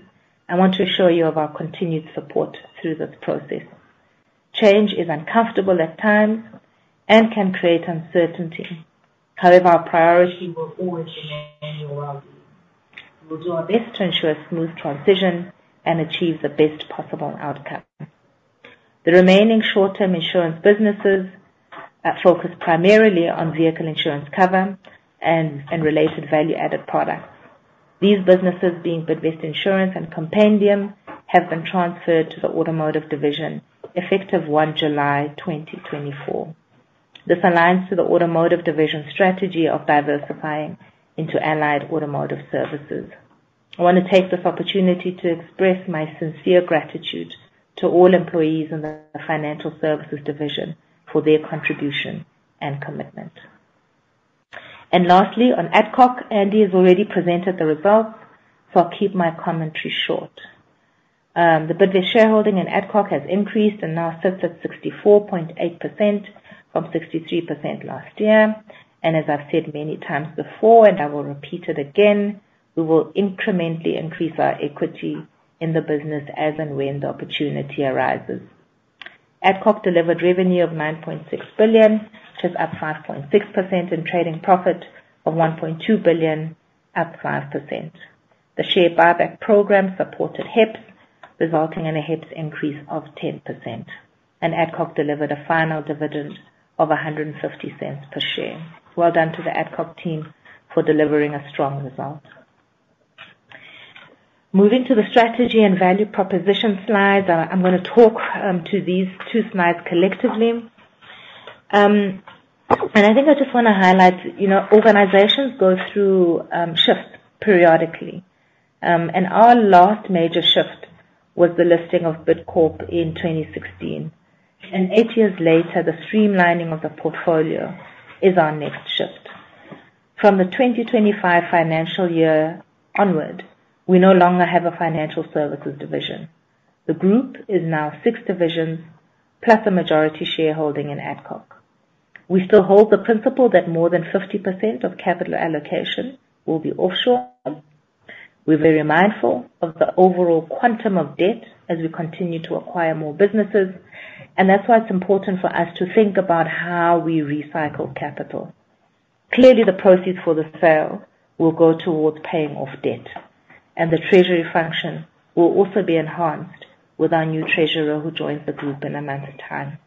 I want to assure you of our continued support through this process. Change is uncomfortable at times and can create uncertainty. However, our priority will always remain well. We'll do our best to ensure a smooth transition and achieve the best possible outcome. The remaining short-term insurance businesses that focus primarily on vehicle insurance cover and related value-added products. These businesses, being Bidvest Insurance and Compendium, have been transferred to the automotive division, effective one July 2024. This aligns to the automotive division strategy of diversifying into allied automotive services. I want to take this opportunity to express my sincere gratitude to all employees in the financial services division for their contribution and commitment. Lastly, on Adcock, Andy has already presented the results, so I'll keep my commentary short. The Bidvest shareholding in Adcock has increased and now sits at 64.8% from 63% last year. And as I've said many times before, and I will repeat it again, we will incrementally increase our equity in the business as and when the opportunity arises. Adcock delivered revenue of 9.6 billion, which is up 5.6%, in trading profit of 1.2 billion, up 5%. The share buyback program supported HEPS, resulting in a HEPS increase of 10%, and Adcock delivered a final dividend of 1.50 per share. Well done to the Adcock team for delivering a strong result. Moving to the strategy and value proposition slides. I'm gonna talk to these 2 Slides collectively. I think I just wanna highlight, you know, organizations go through shifts periodically, and our last major shift was the listing of Bidcorp in 2016, and eight years later, the streamlining of the portfolio is our next shift. From the 2025 financial year onward, we no longer have a financial services division. The group is now six divisions, plus a majority shareholding in Adcock. We still hold the principle that more than 50% of capital allocation will be offshore. We're very mindful of the overall quantum of debt as we continue to acquire more businesses, and that's why it's important for us to think about how we recycle capital. Clearly, the proceeds for the sale will go towards paying off debt, and the treasury function will also be enhanced with our new treasurer, who joins the group in a month's time.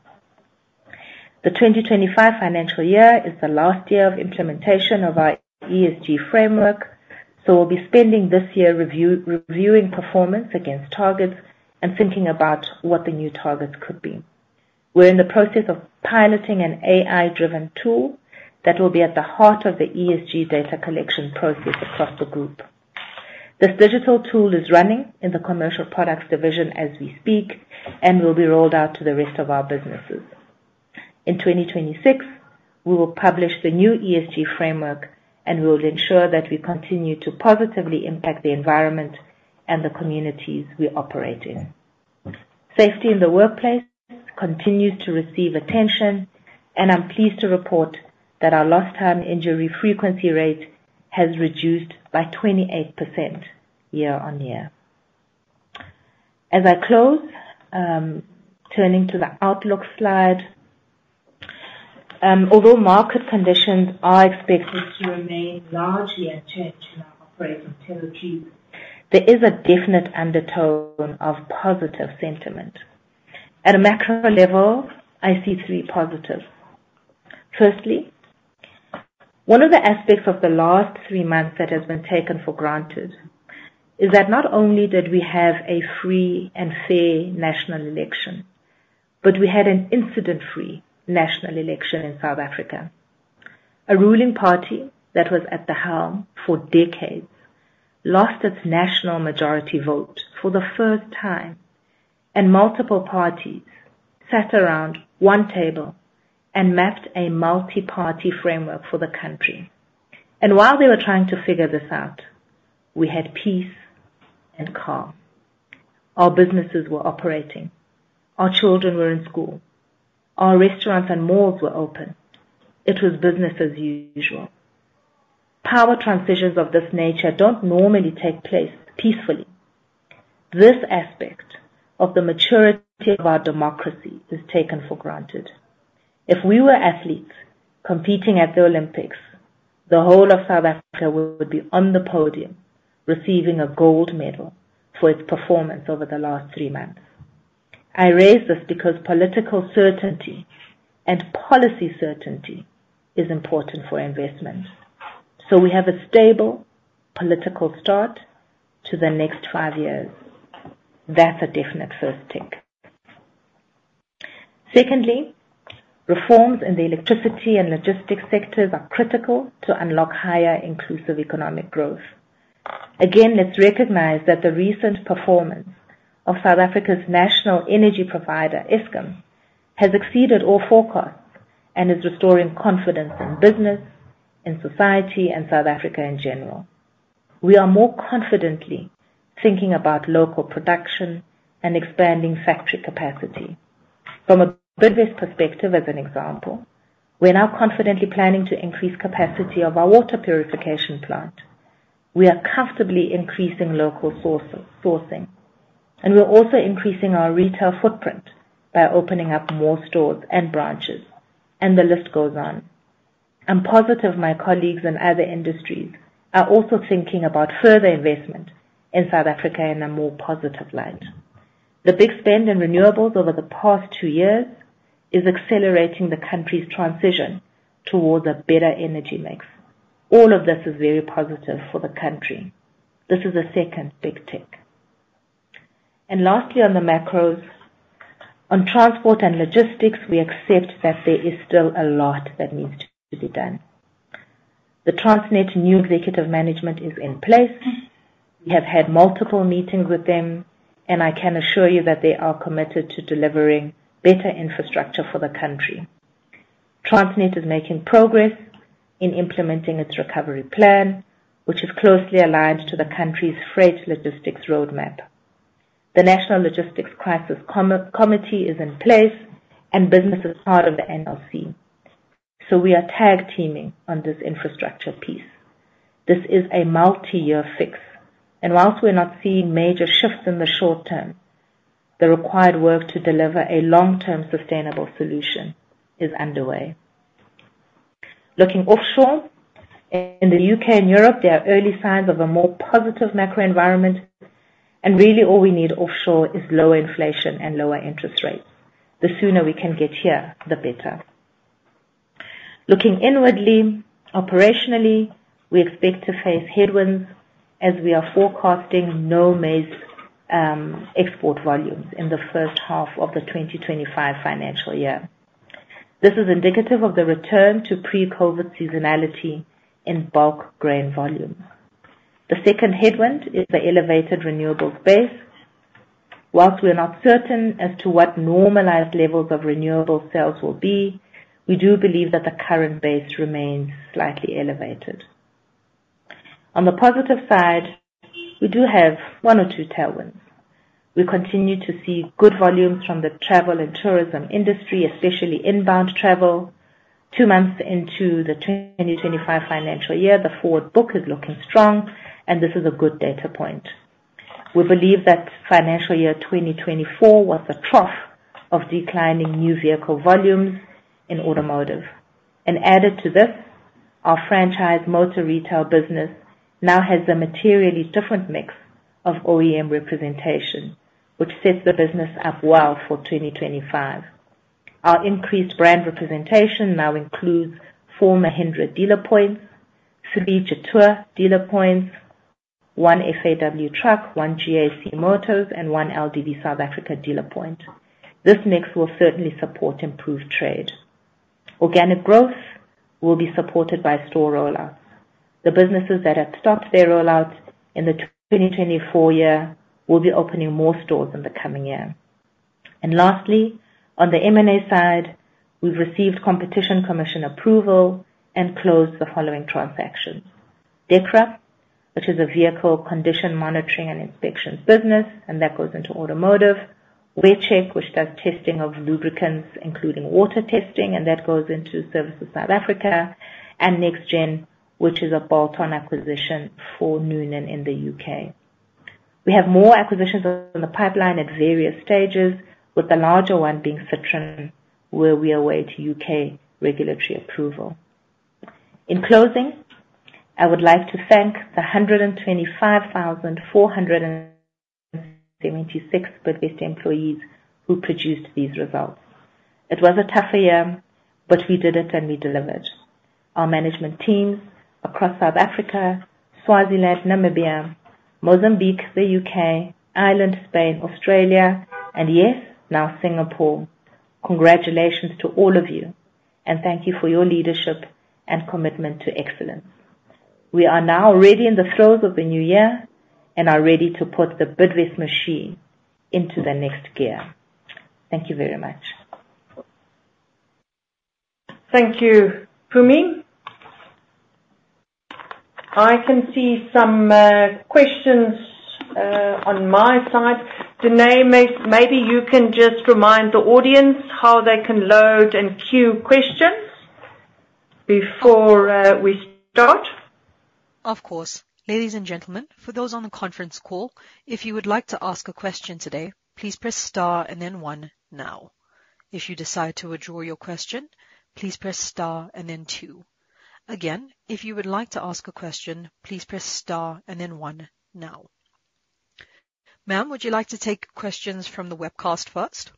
The 2025 financial year is the last year of implementation of our ESG framework, so we'll be spending this year reviewing performance against targets and thinking about what the new targets could be. We're in the process of piloting an AI-driven tool that will be at the heart of the ESG data collection process across the group. This digital tool is running in the commercial products division as we speak and will be rolled out to the rest of our businesses. In 2026, we will publish the new ESG framework, and we'll ensure that we continue to positively impact the environment and the communities we operate in. Safety in the workplace continues to receive attention, and I'm pleased to report that our lost time injury frequency rate has reduced by 28% year on year. As I close, turning to the outlook Slide, although market conditions are expected to remain largely unchanged in our operating territory, there is a definite undertone of positive sentiment. At a macro level, I see three positives: firstly, one of the aspects of the last three months that has been taken for granted is that not only did we have a free and fair national election, but we had an incident-free national election in South Africa. A ruling party that was at the helm for decades lost its national majority vote for the first time, and multiple parties sat around one table and mapped a multiparty framework for the country, and while they were trying to figure this out, we had peace and calm. Our businesses were operating, our children were in school, our restaurants and malls were open. It was business as usual. Power transitions of this nature don't normally take place peacefully. This aspect of the maturity of our democracy is taken for granted. If we were athletes competing at the Olympics, the whole of South Africa would be on the podium, receiving a gold medal for its performance over the last three months. I raise this because political certainty and policy certainty is important for investment. So we have a stable political start to the next five years. That's a definite first tick. Secondly, reforms in the electricity and logistics sectors are critical to unlock higher, inclusive economic growth. Again, let's recognize that the recent performance of South Africa's national energy provider, Eskom, has exceeded all forecasts and is restoring confidence in business, in society, and South Africa in general. We are more confidently thinking about local production and expanding factory capacity. From a Bidvest perspective, as an example, we're now confidently planning to increase capacity of our water purification plant. We are comfortably increasing local sources, sourcing, and we're also increasing our retail footprint by opening up more stores and branches, and the list goes on. I'm positive my colleagues in other industries are also thinking about further investment in South Africa in a more positive light. The big spend in renewables over the past two years is accelerating the country's transition towards a better energy mix. All of this is very positive for the country. This is the second big tick. And lastly, on the macros, on transport and logistics, we accept that there is still a lot that needs to be done. The Transnet new executive management is in place. We have had multiple meetings with them, and I can assure you that they are committed to delivering better infrastructure for the country. Transnet is making progress in implementing its recovery plan, which is closely aligned to the country's freight logistics roadmap. The National Logistics Crisis Committee is in place, and business is part of the NLC, so we are tag teaming on this infrastructure piece. This is a multi-year fix, and while we're not seeing major shifts in the short term, the required work to deliver a long-term sustainable solution is underway. Looking offshore, in the U.K. and Europe, there are early signs of a more positive macro environment, and really all we need offshore is lower inflation and lower interest rates. The sooner we can get here, the better. Looking inwardly, operationally, we expect to face headwinds as we are forecasting no maize export volumes in the first half of the 2025 financial year. This is indicative of the return to pre-COVID seasonality in bulk grain volume. The second headwind is the elevated renewables base. Whilst we're not certain as to what normalized levels of renewable sales will be, we do believe that the current base remains slightly elevated. On the positive side, we do have one or two tailwinds. We continue to see good volumes from the travel and tourism industry, especially inbound travel. Two months into the 2025 financial year, the forward book is looking strong, and this is a good data point. We believe that financial year 2024 was a trough of declining new vehicle volumes in automotive, and added to this, our franchise motor retail business now has a materially different mix of OEM representation, which sets the business up well for 2025. Our increased brand representation now includes four Mahindra dealer points, three Jetour dealer points, one FAW truck, one GAC Motors, and one LDV South Africa dealer point. This mix will certainly support improved trade. Organic growth will be supported by store rollout. The businesses that have stopped their rollouts in the 2024 year will be opening more stores in the coming year. And lastly, on the M&A side, we've received Competition Commission approval and closed the following transactions: DEKRA, which is a vehicle condition monitoring and inspections business, and that goes into automotive. WearCheck, which does testing of lubricants, including water testing, and that goes into Services South Africa, and NexGen, which is a bolt-on acquisition for Noonan in the U.K. We have more acquisitions on the pipeline at various stages, with the larger one being Citron, where we await U.K. regulatory approval. In closing, I would like to thank the 125,476. Bidvest employees who produced these results. It was a tougher year, but we did it, and we delivered. Our management teams across South Africa, Swaziland, Namibia, Mozambique, the U.K., Ireland, Spain, Australia, and yes, now Singapore, congratulations to all of you, and thank you for your leadership and commitment to excellence. We are now ready in the throes of the new year and are ready to put the Bidvest machine into the next gear. Thank you very much. Thank you, Mpumi. I can see some questions on my side. Danae, maybe you can just remind the audience how they can load and queue questions before we start. Of course. Ladies and gentlemen, for those on the conference call, if you would like to ask a question today, please press star and then one now. If you decide to withdraw your question, please press star and then two. Again, if you would like to ask a question, please press star and then one now. Ma'am, would you like to take questions from the webcast first?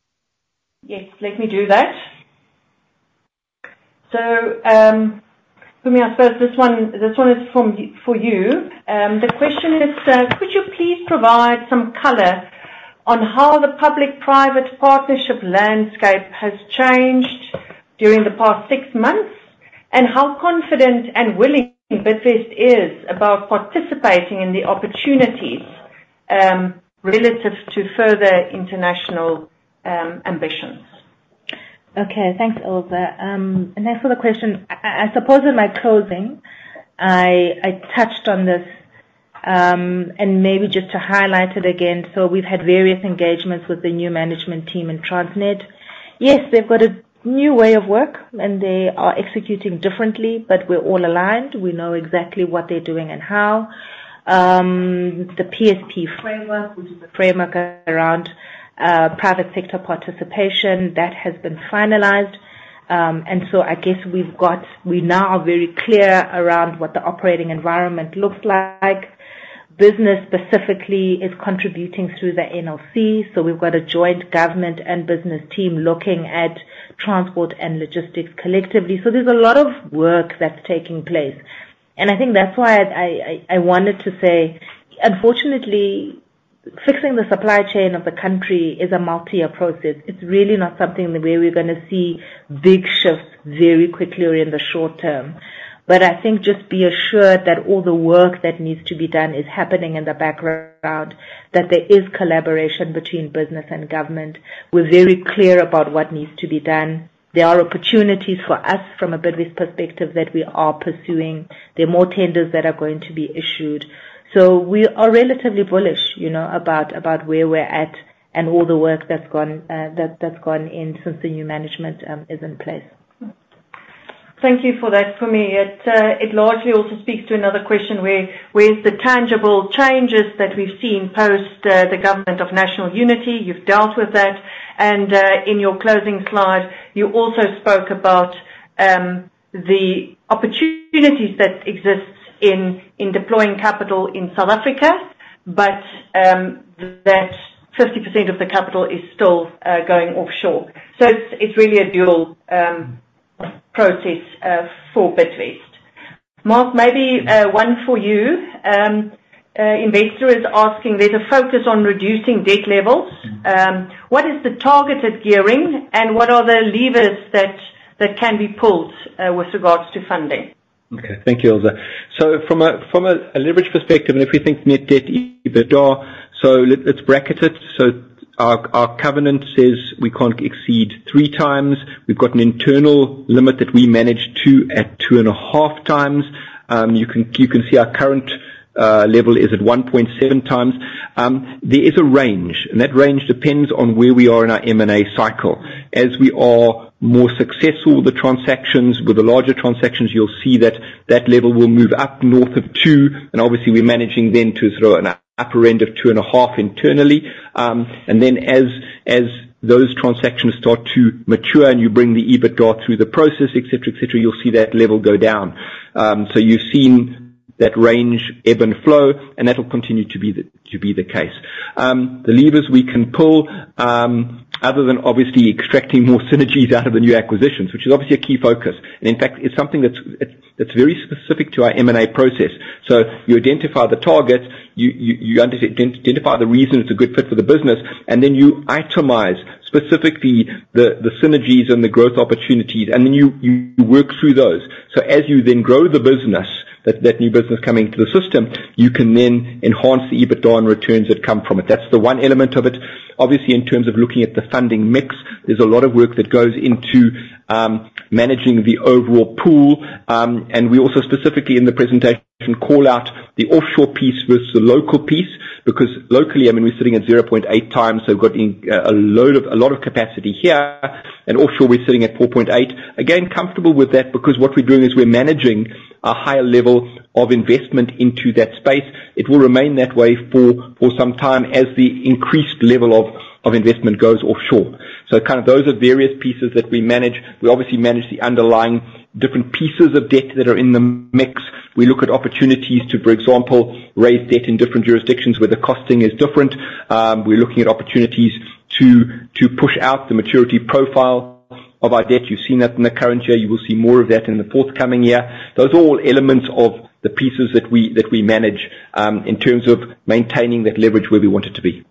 Yes, let me do that, so Mpumi, I suppose this one is for you. The question is, could you please provide some color on how the public-private partnership landscape has changed during the past six months, and how confident and willing Bidvest is about participating in the opportunities, relative to further international ambitions? Okay. Thanks, Olga. And as for the question, I suppose in my closing, I touched on this, and maybe just to highlight it again, so we've had various engagements with the new management team in Transnet. Yes, they've got a new way of work, and they are executing differently, but we're all aligned. We know exactly what they're doing and how the PSP framework, which is a framework around private sector participation. That has been finalized. And so I guess we now are very clear around what the operating environment looks like. Business specifically is contributing through the NLC, so we've got a joint government and business team looking at transport and logistics collectively. So there's a lot of work that's taking place, and I think that's why I wanted to say, unfortunately, fixing the supply chain of the country is a multi-year process. It's really not something where we're gonna see big shifts very quickly or in the short term. But I think just be assured that all the work that needs to be done is happening in the background, that there is collaboration between business and government. We're very clear about what needs to be done. There are opportunities for us, from a Bidvest perspective, that we are pursuing. There are more tenders that are going to be issued. So we are relatively bullish, you know, about where we're at and all the work that's gone in since the new management is in place. Thank you for that, Mpumi. It largely also speaks to another question: Where is the tangible changes that we've seen post the Government of National Unity? You've dealt with that, and in your closing slide, you also spoke about the opportunities that exists in deploying capital in South Africa, but that 50% of the capital is still going offshore. So it's really a dual process for Bidvest. Mark, maybe one for you. An investor is asking: There's a focus on reducing debt levels. What is the targeted gearing, and what are the levers that can be pulled with regards to funding? Okay. Thank you, Ilze. So from a leverage perspective, and if we think net debt, EBITDA, so let's bracket it. So our covenant says we can't exceed three times. We've got an internal limit that we manage to, at 2.5x. You can see our current level is at 1.7x. There is a range, and that range depends on where we are in our M&A cycle. As we are more successful with the transactions, with the larger transactions, you'll see that level will move up north of two, and obviously we're managing then to the upper end of two and a half internally. And then as those transactions start to mature and you bring the EBITDA through the process, et cetera, et cetera, you'll see that level go down. So you've seen that range ebb and flow, and that'll continue to be the case. The levers we can pull, other than obviously extracting more synergies out of the new acquisitions, which is obviously a key focus, and in fact, it's something that's very specific to our M&A process. You identify the targets, you identify the reasons it's a good fit for the business, and then you itemize specifically the synergies and the growth opportunities, and then you work through those. So as you then grow the business, that new business coming into the system, you can then enhance the EBITDA and returns that come from it. That's the one element of it. Obviously, in terms of looking at the funding mix, there's a lot of work that goes into managing the overall pool. And we also specifically in the presentation call out the offshore piece versus the local piece, because locally, I mean, we're sitting at 0.8x, so we've got a lot of capacity here, and offshore, we're sitting at 4.8. Again, comfortable with that, because what we're doing is we're managing a higher level of investment into that space. It will remain that way for some time as the increased level of investment goes offshore. So kind of those are various pieces that we manage. We obviously manage the underlying different pieces of debt that are in the mix. We look at opportunities to, for example, raise debt in different jurisdictions where the costing is different. We're looking at opportunities to push out the maturity profile of our debt. You've seen that in the current year. You will see more of that in the forthcoming year. Those are all elements of the pieces that we manage in terms of maintaining that leverage where we want it to be.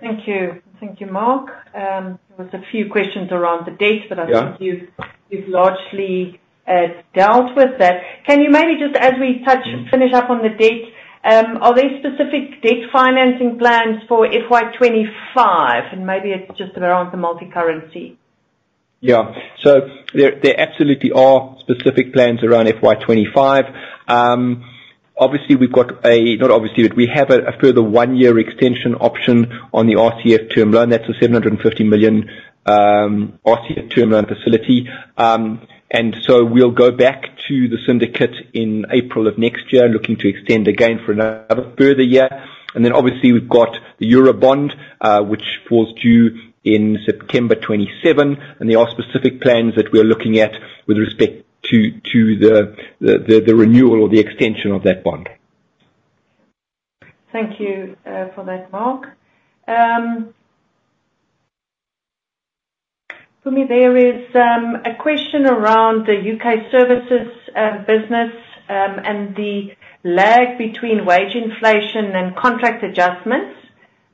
Thank you. Thank you, Mark. There was a few questions around the debt. Yeah. But I think you've largely dealt with that. Can you maybe just, as we touch, finish up on the debt? Are there specific debt financing plans for FY 2025? And maybe it's just around the multicurrency. Yeah. So there absolutely are specific plans around FY 2025. Not obviously, but we have a further one-year extension option on the RCF term loan. That's a 750 million RCF term loan facility. And so we'll go back to the syndicate in April of next year, looking to extend again for another further year. And then obviously, we've got the Eurobond, which was due in September 2027, and there are specific plans that we're looking at with respect to the renewal or the extension of that bond. Thank you for that, Mark. Mpumi, there is a question around the U.K. services business and the lag between wage inflation and contract adjustments.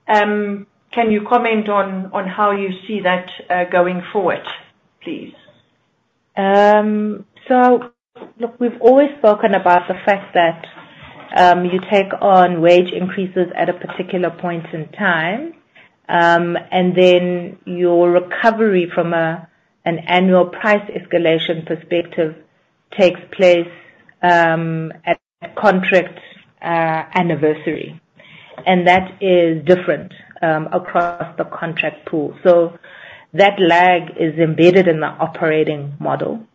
Can you comment on how you see that going forward, please? So look, we've always spoken about the fact that you take on wage increases at a particular point in time, and then your recovery from an annual price escalation perspective takes place at contract anniversary, and that is different across the contract pool. So that lag is embedded in the operating model,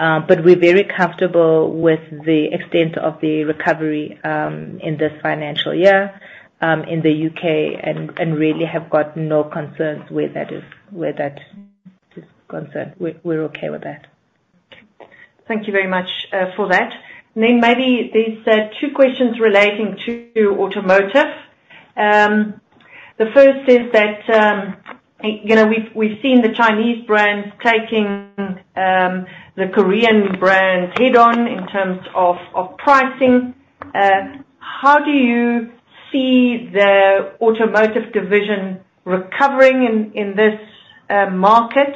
but we're very comfortable with the extent of the recovery in this financial year in the U.K., and really have got no concerns where that is concerned. We're okay with that. Thank you very much for that. Then maybe there's two questions relating to automotive. The first is that, you know, we've seen the Chinese brands taking the Korean brands head-on in terms of pricing. How do you see the automotive division recovering in this market?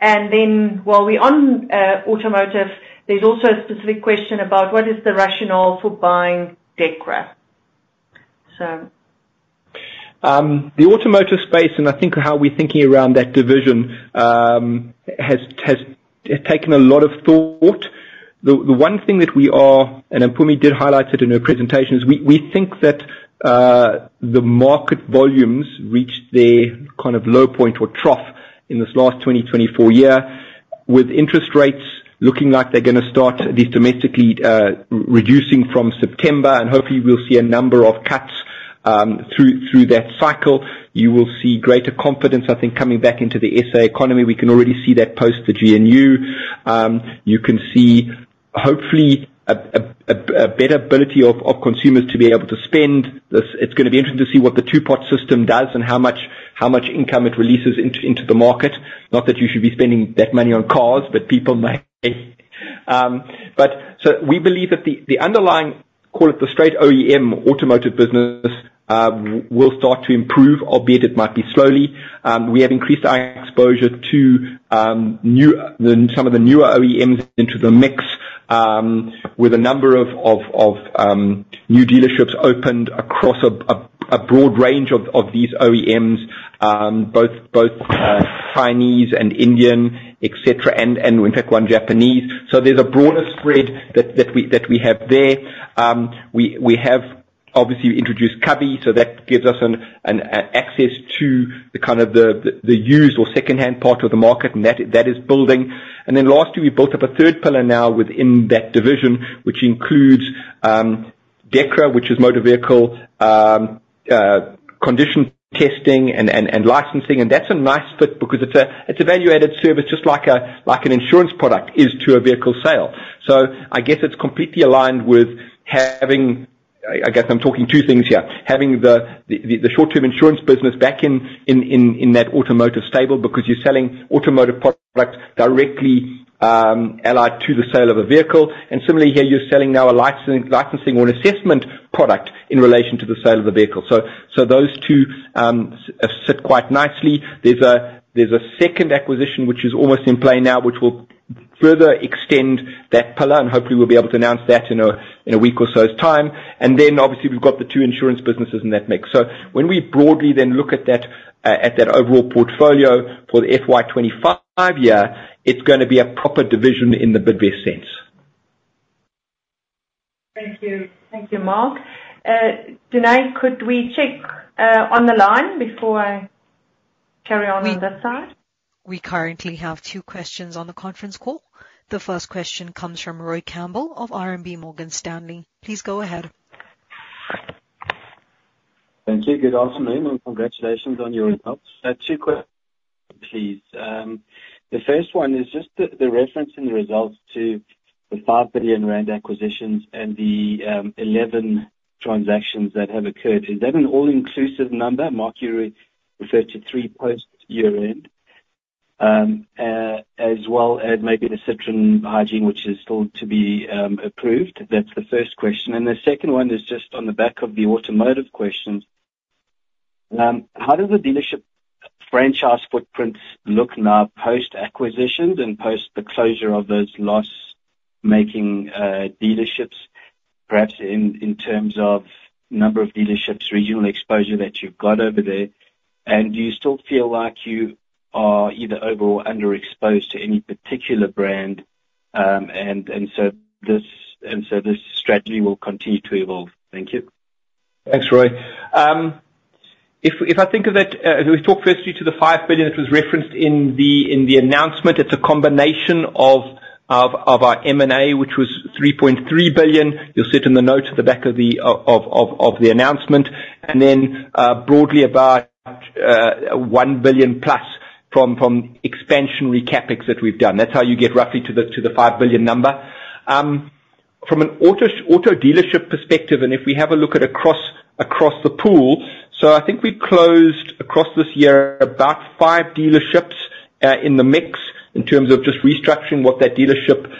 And then while we're on automotive, there's also a specific question about what is the rationale for buying DEKRA? The automotive space, and I think how we're thinking around that division has taken a lot of thought. The one thing that we are, and Mpumi did highlight it in her presentation, is we think that the market volumes reached their kind of low point or trough in this last 2024 year. With interest rates looking like they're gonna start, at least domestically, reducing from September, and hopefully we'll see a number of cuts through that cycle. You will see greater confidence, I think, coming back into the SA economy. We can already see that post the GNU. You can see, hopefully, a better ability of consumers to be able to spend. It's gonna be interesting to see what the two-pot system does and how much income it releases into the market. Not that you should be spending that money on cars, but people might. But so we believe that the underlying, call it the straight OEM automotive business, will start to improve, albeit it might be slowly. We have increased our exposure to some of the newer OEMs into the mix, with a number of new dealerships opened across a broad range of these OEMs, both Chinese and Indian, et cetera, and in fact, one Japanese. So there's a broader spread that we have there. We have obviously introduced Cubbi, so that gives us an access to the kind of the used or secondhand part of the market, and that is building. And then lastly, we built up a third pillar now within that division, which includes DEKRA, which is motor vehicle condition testing and licensing. And that's a nice fit because it's a value-added service, just like an insurance product is to a vehicle sale. So I guess it's completely aligned with having. I guess I'm talking two things here, having the short-term insurance business back in that automotive stable, because you're selling automotive products directly allied to the sale of a vehicle. And similarly here, you're selling now a licensing or an assessment product in relation to the sale of the vehicle. So those two sit quite nicely. There's a second acquisition which is almost in play now, which will further extend that pillar, and hopefully we'll be able to announce that in a week or so's time. And then obviously, we've got the two insurance businesses in that mix. So when we broadly then look at that, at that overall portfolio for the FY 2025, it's gonna be a proper division in the broadest sense. Thank you. Thank you, Mark. Denae, could we check on the line before I carry on, on this side? We currently have two questions on the conference call. The first question comes from Roy Campbell of RMB Morgan Stanley. Please go ahead. Thank you. Good afternoon, and congratulations on your results. Two questions, please. The first one is just the reference in the results to the 5 billion rand acquisitions and the 11 transactions that have occurred. Is that an all-inclusive number? Mark, you referred to three post-year-end, as well as maybe the Citron Hygiene, which is still to be approved. That's the first question. And the second one is just on the back of the automotive question. How does the dealership franchise footprint look now post-acquisition and post the closure of those loss-making dealerships, perhaps in terms of number of dealerships, regional exposure that you've got over there? And do you still feel like you are either over or under exposed to any particular brand? And so this strategy will continue to evolve. Thank you. Thanks, Roy. If I think of that, if we talk firstly to the 5 billion that was referenced in the announcement, it's a combination of our M&A, which was 3.3 billion. You'll see it in the notes at the back of the announcement. And then, broadly about 1 billion-plus from expansionary CapEx that we've done. That's how you get roughly to the 5 billion number. From an auto dealership perspective, and if we have a look at across the pool, so I think we closed across this year about five dealerships in the mix, in terms of just restructuring what that dealership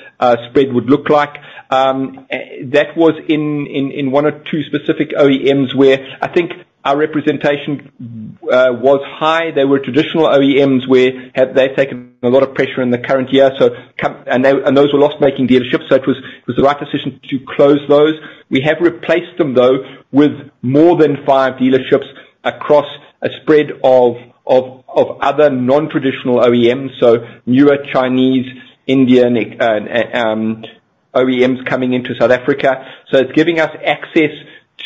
spread would look like. That was in one or two specific OEMs, where I think our representation was high. They were traditional OEMs where they've taken a lot of pressure in the current year, so and those were loss-making dealerships, so it was the right decision to close those. We have replaced them, though, with more than five dealerships across a spread of other non-traditional OEMs, so newer Chinese, Indian OEMs coming into South Africa, so it's giving us access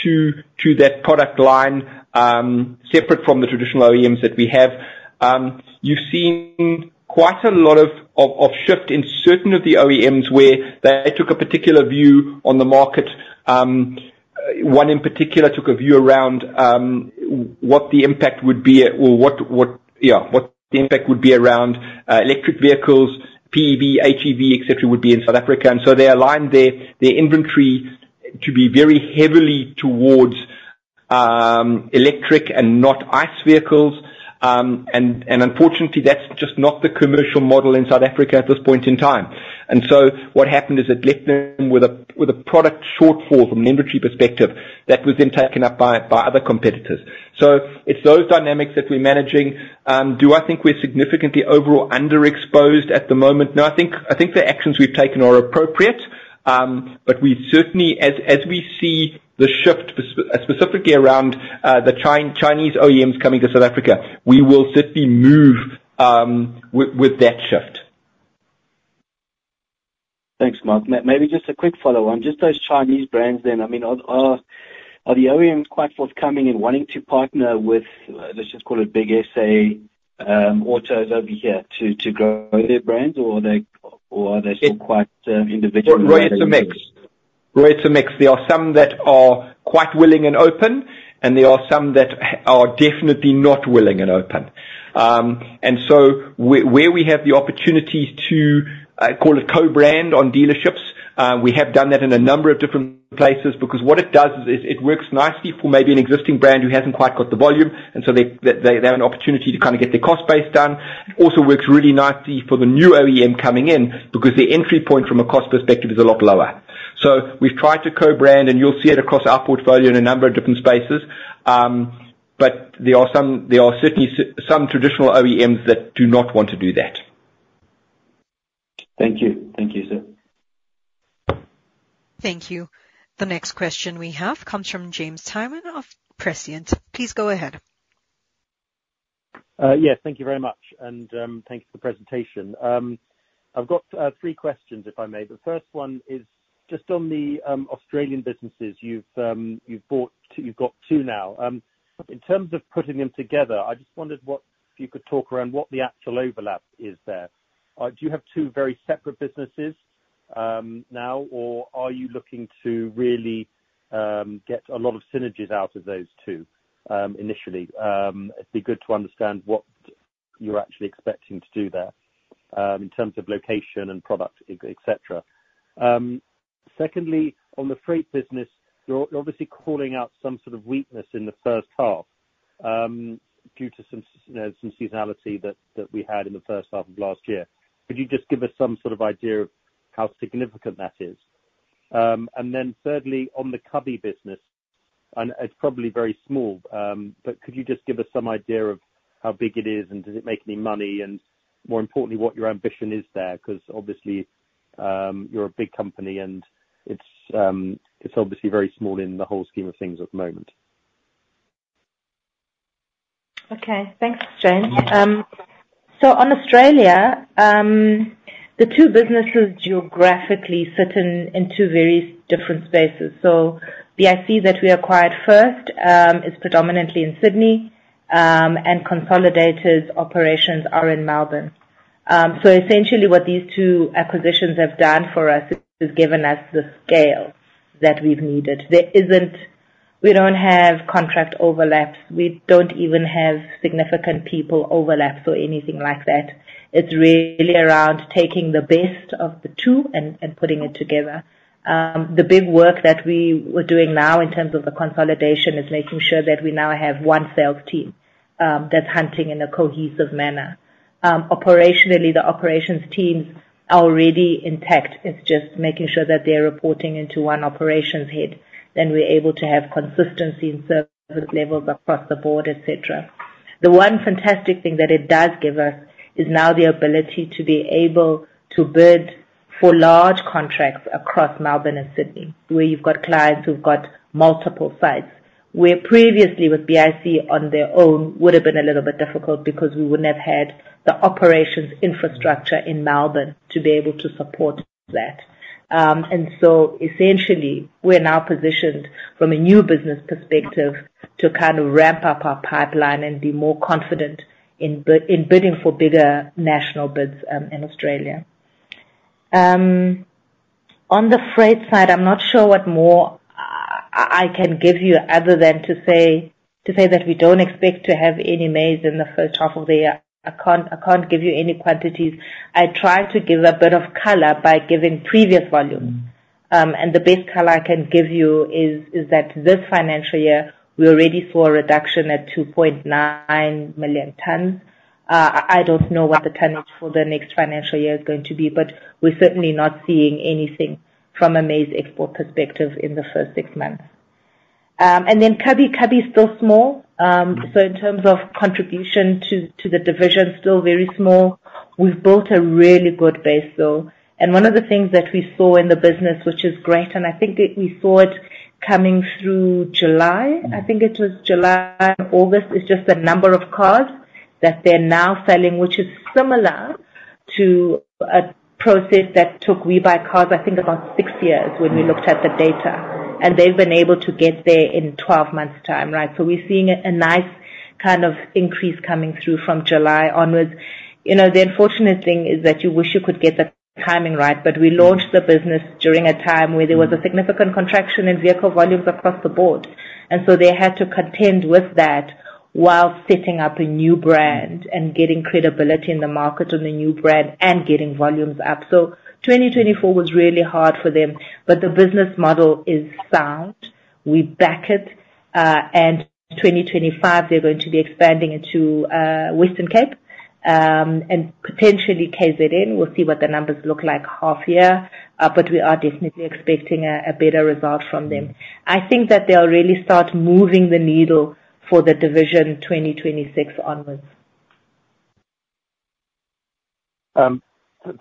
to that product line, separate from the traditional OEMs that we have. You've seen quite a lot of shift in certain of the OEMs where they took a particular view on the market. One in particular took a view around what the impact would be around electric vehicles, PEV, HEV, et cetera, would be in South Africa. And so they aligned their inventory to be very heavily towards electric and not ICE vehicles. And unfortunately, that's just not the commercial model in South Africa at this point in time. And so what happened is it left them with a product shortfall from an inventory perspective that was then taken up by other competitors. So it's those dynamics that we're managing. Do I think we're significantly overall underexposed at the moment? No, I think the actions we've taken are appropriate. But we certainly, as we see the shift specifically around the Chinese OEMs coming to South Africa, we will certainly move with that shift. Thanks, Mark. Maybe just a quick follow-on. Just those Chinese brands then, I mean, are the OEMs quite forthcoming in wanting to partner with, let's just call it big SA autos over here to grow their brands, or are they still quite individual? It's a mix. There are some that are quite willing and open, and there are some that are definitely not willing and open. And so where we have the opportunity to call it co-brand on dealerships, we have done that in a number of different places, because what it does is, it works nicely for maybe an existing brand who hasn't quite got the volume, and so they have an opportunity to kind of get their cost base down. It also works really nicely for the new OEM coming in, because the entry point from a cost perspective is a lot lower, so we've tried to co-brand, and you'll see it across our portfolio in a number of different spaces. But there are some. There are certainly some traditional OEMs that do not want to do that. Thank you. Thank you, sir. Thank you. The next question we have comes from James Twyman of Prescient. Please go ahead. Yes, thank you very much, and thank you for the presentation. I've got three questions, if I may. The first one is just on the Australian businesses. You've bought two. You've got two now. In terms of putting them together, I just wondered what, if you could talk around what the actual overlap is there. Do you have two very separate businesses now, or are you looking to really get a lot of synergies out of those two initially? It'd be good to understand what you're actually expecting to do there in terms of location and product, et cetera. Secondly, on the freight business, you're obviously calling out some sort of weakness in the first half, due to some you know, some seasonality that we had in the first half of last year. Could you just give us some sort of idea of how significant that is? And then thirdly, on the Cubbi business, and it's probably very small, but could you just give us some idea of how big it is, and does it make any money? And more importantly, what your ambition is there, because obviously, you're a big company, and it's, it's obviously very small in the whole scheme of things at the moment. Okay, thanks, James. So on Australia, the two businesses geographically sit in in two very different spaces. So the BIC that we acquired first is predominantly in Sydney, and consolidated operations are in Melbourne. So essentially what these two acquisitions have done for us is given us the scale that we've needed. There isn't. We don't have contract overlaps. We don't even have significant people overlaps or anything like that. It's really around taking the best of the two and putting it together. The big work that we are doing now in terms of the consolidation is making sure that we now have one sales team that's hunting in a cohesive manner. Operationally, the operations teams are already intact. It's just making sure that they're reporting into one operations head, then we're able to have consistency in service levels across the board, et cetera. The one fantastic thing that it does give us is now the ability to be able to bid for large contracts across Melbourne and Sydney, where you've got clients who've got multiple sites, where previously with BIC on their own, would have been a little bit difficult because we wouldn't have had the operations infrastructure in Melbourne to be able to support that. And so essentially, we're now positioned from a new business perspective, to kind of ramp up our pipeline and be more confident in in bidding for bigger national bids, in Australia. On the freight side, I'm not sure what more I can give you, other than to say that we don't expect to have any maize in the first half of the year. I can't give you any quantities. I tried to give a bit of color by giving previous volume, and the best color I can give you is that this financial year, we're ready for a reduction at 2.9 million tons. I don't know what the tonnage for the next financial year is going to be, but we're certainly not seeing anything from a maize export perspective in the first six months. And then Cubbi is still small. So in terms of contribution to the division, still very small. We've built a really good base though, and one of the things that we saw in the business, which is great, and I think that we saw it coming through July, I think it was July and August, is just the number of cars that they're now selling, which is similar to a process that took WeBuyCars, I think, about six years when we looked at the data, and they've been able to get there in 12 months' time, right? So we're seeing a nice kind of increase coming through from July onwards. You know, the unfortunate thing is that you wish you could get the timing right, but we launched the business during a time where there was a significant contraction in vehicle volumes across the board. And so they had to contend with that while setting up a new brand and getting credibility in the market on the new brand and getting volumes up. So 2024 was really hard for them, but the business model is sound. We back it, and 2025, they're going to be expanding into Western Cape, and potentially KZN. We'll see what the numbers look like half year, but we are definitely expecting a better result from them. I think that they'll really start moving the needle for the division 2026 onwards.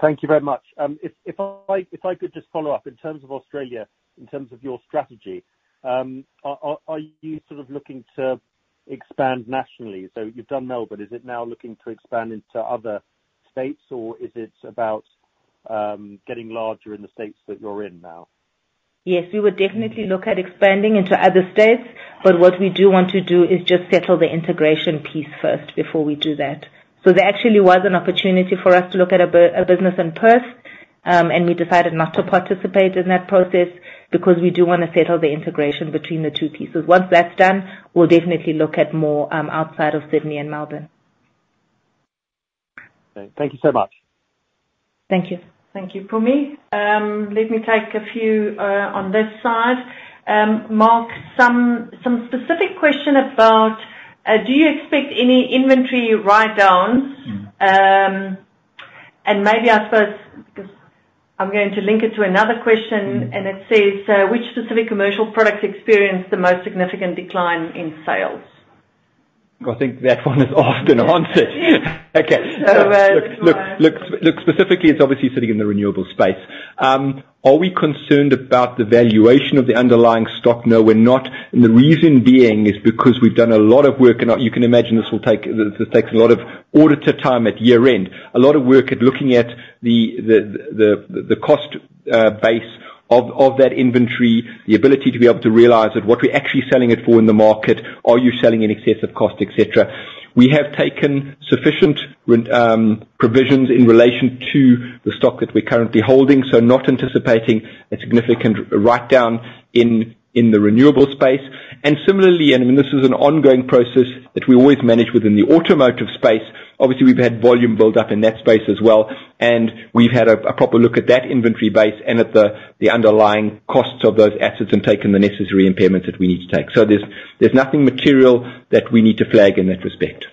Thank you very much. If I could just follow up, in terms of Australia, in terms of your strategy, are you sort of looking to expand nationally? So you've done Melbourne, is it now looking to expand into other states, or is it about getting larger in the states that you're in now? Yes, we would definitely look at expanding into other states, but what we do want to do is just settle the integration piece first before we do that. So there actually was an opportunity for us to look at a business in Perth, and we decided not to participate in that process, because we do wanna settle the integration between the two pieces. Once that's done, we'll definitely look at more outside of Sydney and Melbourne. Okay. Thank you so much. Thank you. Thank you, Mpumi. Let me take a few on this side. Mark, some specific question about: Do you expect any inventory write-downs? Mm. And maybe, I suppose, 'cause I'm going to link it to another question. Mm. And it says, "Which specific commercial products experienced the most significant decline in sales? I think that one is asked and answered. Yeah. Okay. All right. Look, specifically, it's obviously sitting in the renewables space. Are we concerned about the valuation of the underlying stock? No, we're not, and the reason being is because we've done a lot of work, and you can imagine this takes a lot of auditor time at year end. A lot of work at looking at the cost base of that inventory, the ability to realize that what we're actually selling it for in the market, are you selling in excess of cost, et cetera. We have taken sufficient provisions in relation to the stock that we're currently holding, so not anticipating a significant writedown in the renewables space. And similarly, I mean, this is an ongoing process that we always manage within the automotive space. Obviously, we've had volume build up in that space as well, and we've had a proper look at that inventory base and at the underlying costs of those assets and taken the necessary impairments that we need to take. So there's nothing material that we need to flag in that respect.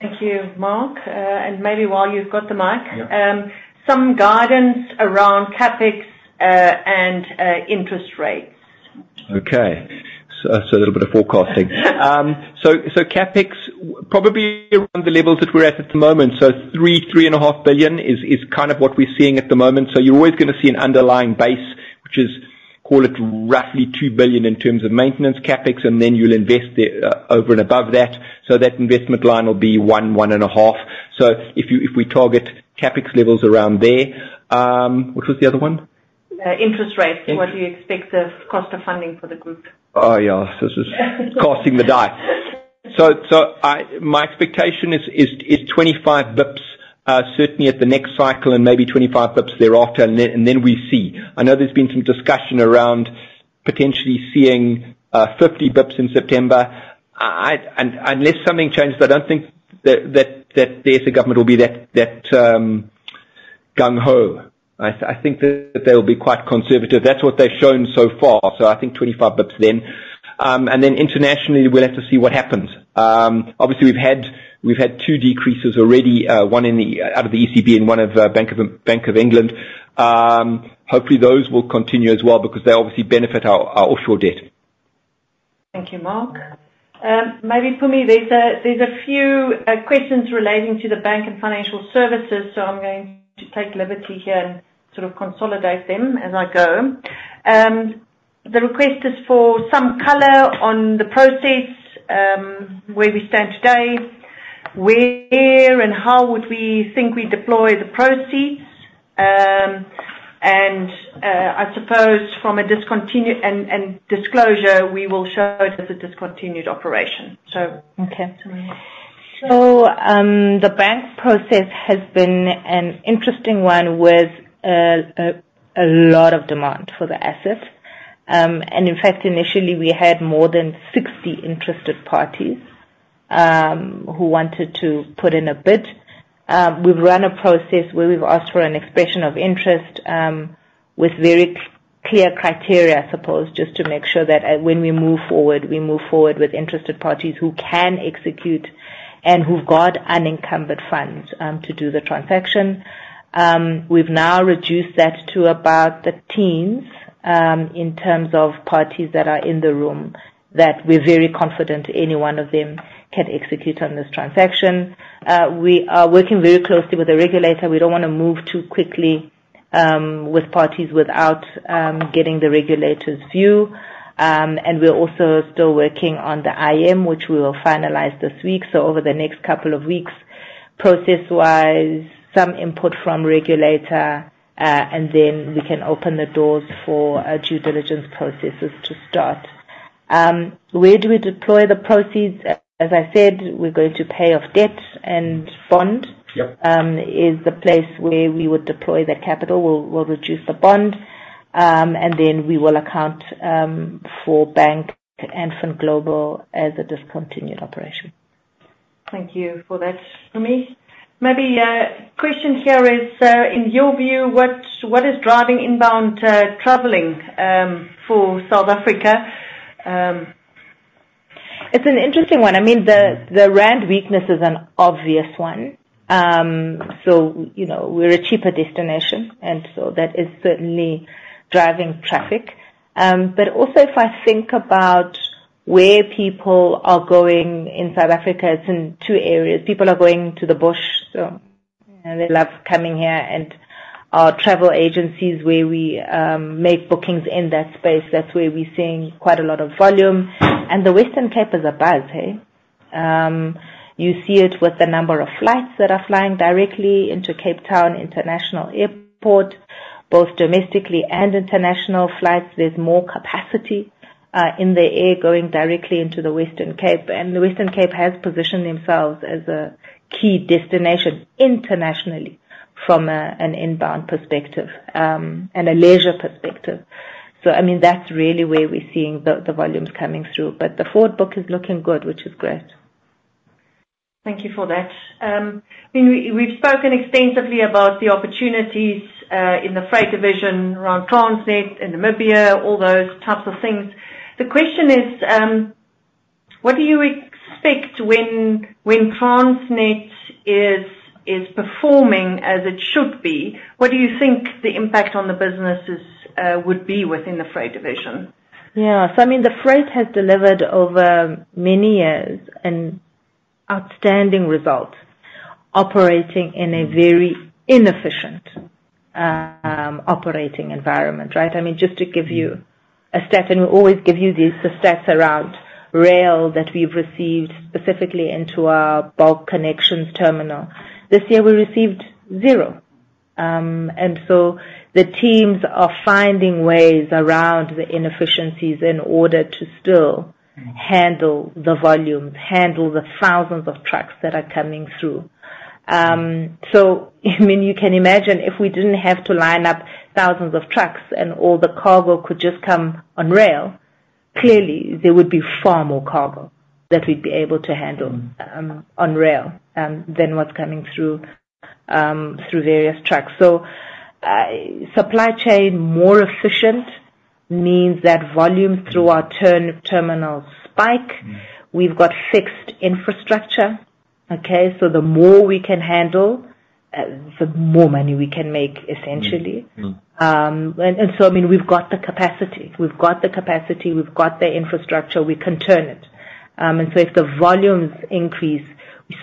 Thank you, Mark, and maybe while you've got the mic. Yeah Some guidance around CapEx, and interest rates. Okay, so a little bit of forecasting. So CapEx probably is around the levels that we're at at the moment, so 3 billion-3.5 billion is kind of what we're seeing at the moment. So you're always gonna see an underlying base, which is, call it, roughly 2 billion in terms of maintenance CapEx, and then you'll invest over and above that, so that investment line will be 1 billion-1.5 billion. So if you, if we target CapEx levels around there. What was the other one? Interest rates. In- What do you expect the cost of funding for the group? So this is casting the die. So, my expectation is twenty-five basis points, certainly at the next cycle, and maybe 25 basis points thereafter, and then we see. I know there's been some discussion around potentially seeing 50 basis points in September. I, unless something changes, I don't think that the ANC government will be that gung ho. I think that they'll be quite conservative. That's what they've shown so far. So I think 25 basis points then. And then internationally, we'll have to see what happens. Obviously, we've had two decreases already, one from the ECB and one from the Bank of England. Hopefully, those will continue as well, because they obviously benefit our offshore debt. Thank you, Mark. Maybe, Mpumi, there's a few questions relating to the bank and financial services, so I'm going to take liberty here and sort of consolidate them as I go. The request is for some color on the process, where we stand today, where and how would we think we deploy the proceeds, and I suppose from a discontinued and disclosure, we will show as a discontinued operation, so. Okay. So, the bank process has been an interesting one with a lot of demand for the assets. And in fact, initially, we had more than 60 interested parties who wanted to put in a bid. We've run a process where we've asked for an expression of interest with very clear criteria, I suppose, just to make sure that when we move forward, we move forward with interested parties who can execute and who've got unencumbered funds to do the transaction. We've now reduced that to about the teens in terms of parties that are in the room that we're very confident any one of them can execute on this transaction. We are working very closely with the regulator. We don't wanna move too quickly with parties without getting the regulator's view. And we're also still working on the IM, which we will finalize this week. So over the next couple of weeks, process-wise, some input from regulator, and then we can open the doors for our due diligence processes to start. Where do we deploy the proceeds? As I said, we're going to pay off debt, and bond. Yep. Is the place where we would deploy the capital. We'll reduce the bond, and then we will account for Bank and FinGlobal as a discontinued operation. Thank you for that, Mpumi. Maybe, question here is, in your view, what is driving inbound traveling for South Africa? It's an interesting one. I mean, the rand weakness is an obvious one. So, you know, we're a cheaper destination, and so that is certainly driving traffic. But also, if I think about where people are going in South Africa, it's in two areas. People are going to the bush, so, and they love coming here. And our travel agencies, where we make bookings in that space, that's where we're seeing quite a lot of volume. And the Western Cape is a buzz, hey? You see it with the number of flights that are flying directly into Cape Town International Airport, both domestically and international flights. There's more capacity in the air going directly into the Western Cape, and the Western Cape has positioned themselves as a key destination internationally from an inbound perspective, and a leisure perspective. So, I mean, that's really where we're seeing the volumes coming through. But the forward book is looking good, which is great. Thank you for that. I mean, we've spoken extensively about the opportunities in the freight division around Transnet and Namibia, all those types of things. The question is, what do you expect when Transnet is performing as it should be, what do you think the impact on the businesses would be within the freight division? Yeah. So I mean, the freight has delivered over many years an outstanding result, operating in a very inefficient operating environment, right? I mean, just to give you a stat, and we'll always give you the stats around rail that we've received specifically into our bulk connections terminal. This year, we received zero. And so the teams are finding ways around the inefficiencies in order to still handle the volumes, handle the thousands of trucks that are coming through. So I mean, you can imagine if we didn't have to line up thousands of trucks and all the cargo could just come on rail, clearly there would be far more cargo that we'd be able to handle on rail than what's coming through various trucks. So, supply chain more efficient means that volumes through our terminal spike. We've got fixed infrastructure, okay, so the more we can handle, the more money we can make, essentially. Mm-hmm. And so, I mean, we've got the capacity. We've got the capacity, we've got the infrastructure, we can turn it. And so if the volumes increase,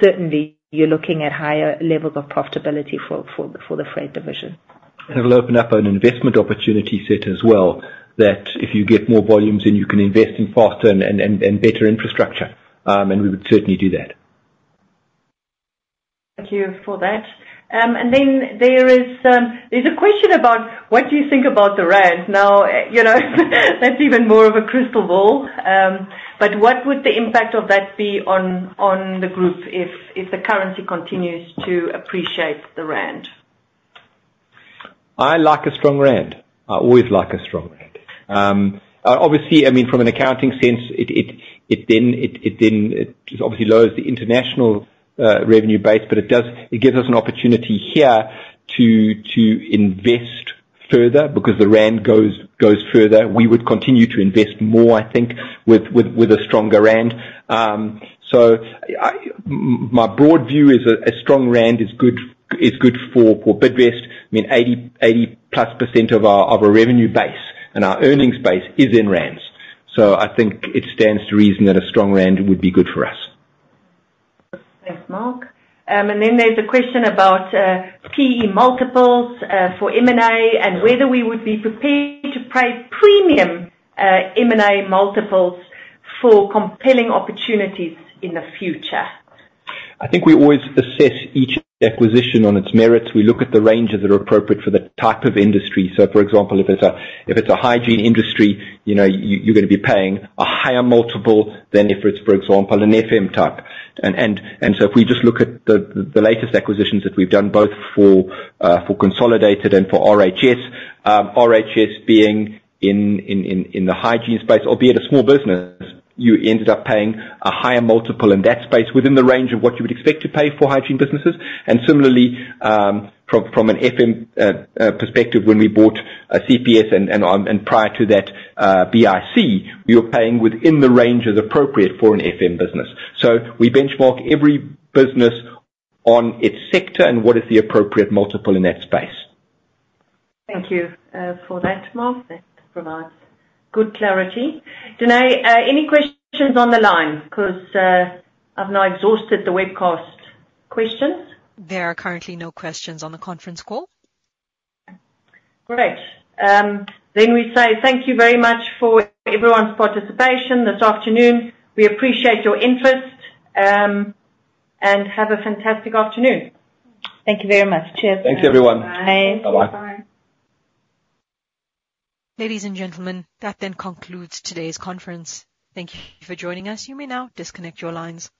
certainly you're looking at higher levels of profitability for the freight division. It'll open up an investment opportunity set as well, that if you get more volumes, then you can invest in faster and better infrastructure. And we would certainly do that. Thank you for that, and then there is a question about: what do you think about the rand? Now, you know, that's even more of a crystal ball. But what would the impact of that be on the group if the currency continues to appreciate the rand? I like a strong rand. I always like a strong rand. Obviously, I mean, from an accounting sense, it then obviously lowers the international revenue base, but it does. It gives us an opportunity here to invest further because the rand goes further. We would continue to invest more, I think, with a stronger rand. So I, my broad view is a strong rand is good for Bidvest. I mean, 80%+ of our revenue base and our earnings base is in rands. So I think it stands to reason that a strong rand would be good for us. Thanks, Mark. Then there's a question about PE multiples for M&A, and whether we would be prepared to pay premium M&A multiples for compelling opportunities in the future. I think we always assess each acquisition on its merits. We look at the ranges that are appropriate for the type of industry. So, for example, if it's a hygiene industry, you know, you're gonna be paying a higher multiple than if it's, for example, an FM type. And so if we just look at the latest acquisitions that we've done, both for Consolidated and for RHS, RHS being in the hygiene space, albeit a small business, you ended up paying a higher multiple in that space within the range of what you would expect to pay for hygiene businesses. And similarly, from an FM perspective, when we bought CPS, and prior to that, BIC, we were paying within the range as appropriate for an FM business. We benchmark every business on its sector and what is the appropriate multiple in that space. Thank you, for that, Mark. That provides good clarity. Denay, any questions on the line? 'Cause, I've now exhausted the webcast questions. There are currently no questions on the conference call. Great. Then we say thank you very much for everyone's participation this afternoon. We appreciate your interest, and have a fantastic afternoon. Thank you very much. Cheers. Thanks, everyone. Bye. Bye-bye. Bye. Ladies and gentlemen, that then concludes today's conference. Thank you for joining us. You may now disconnect your lines.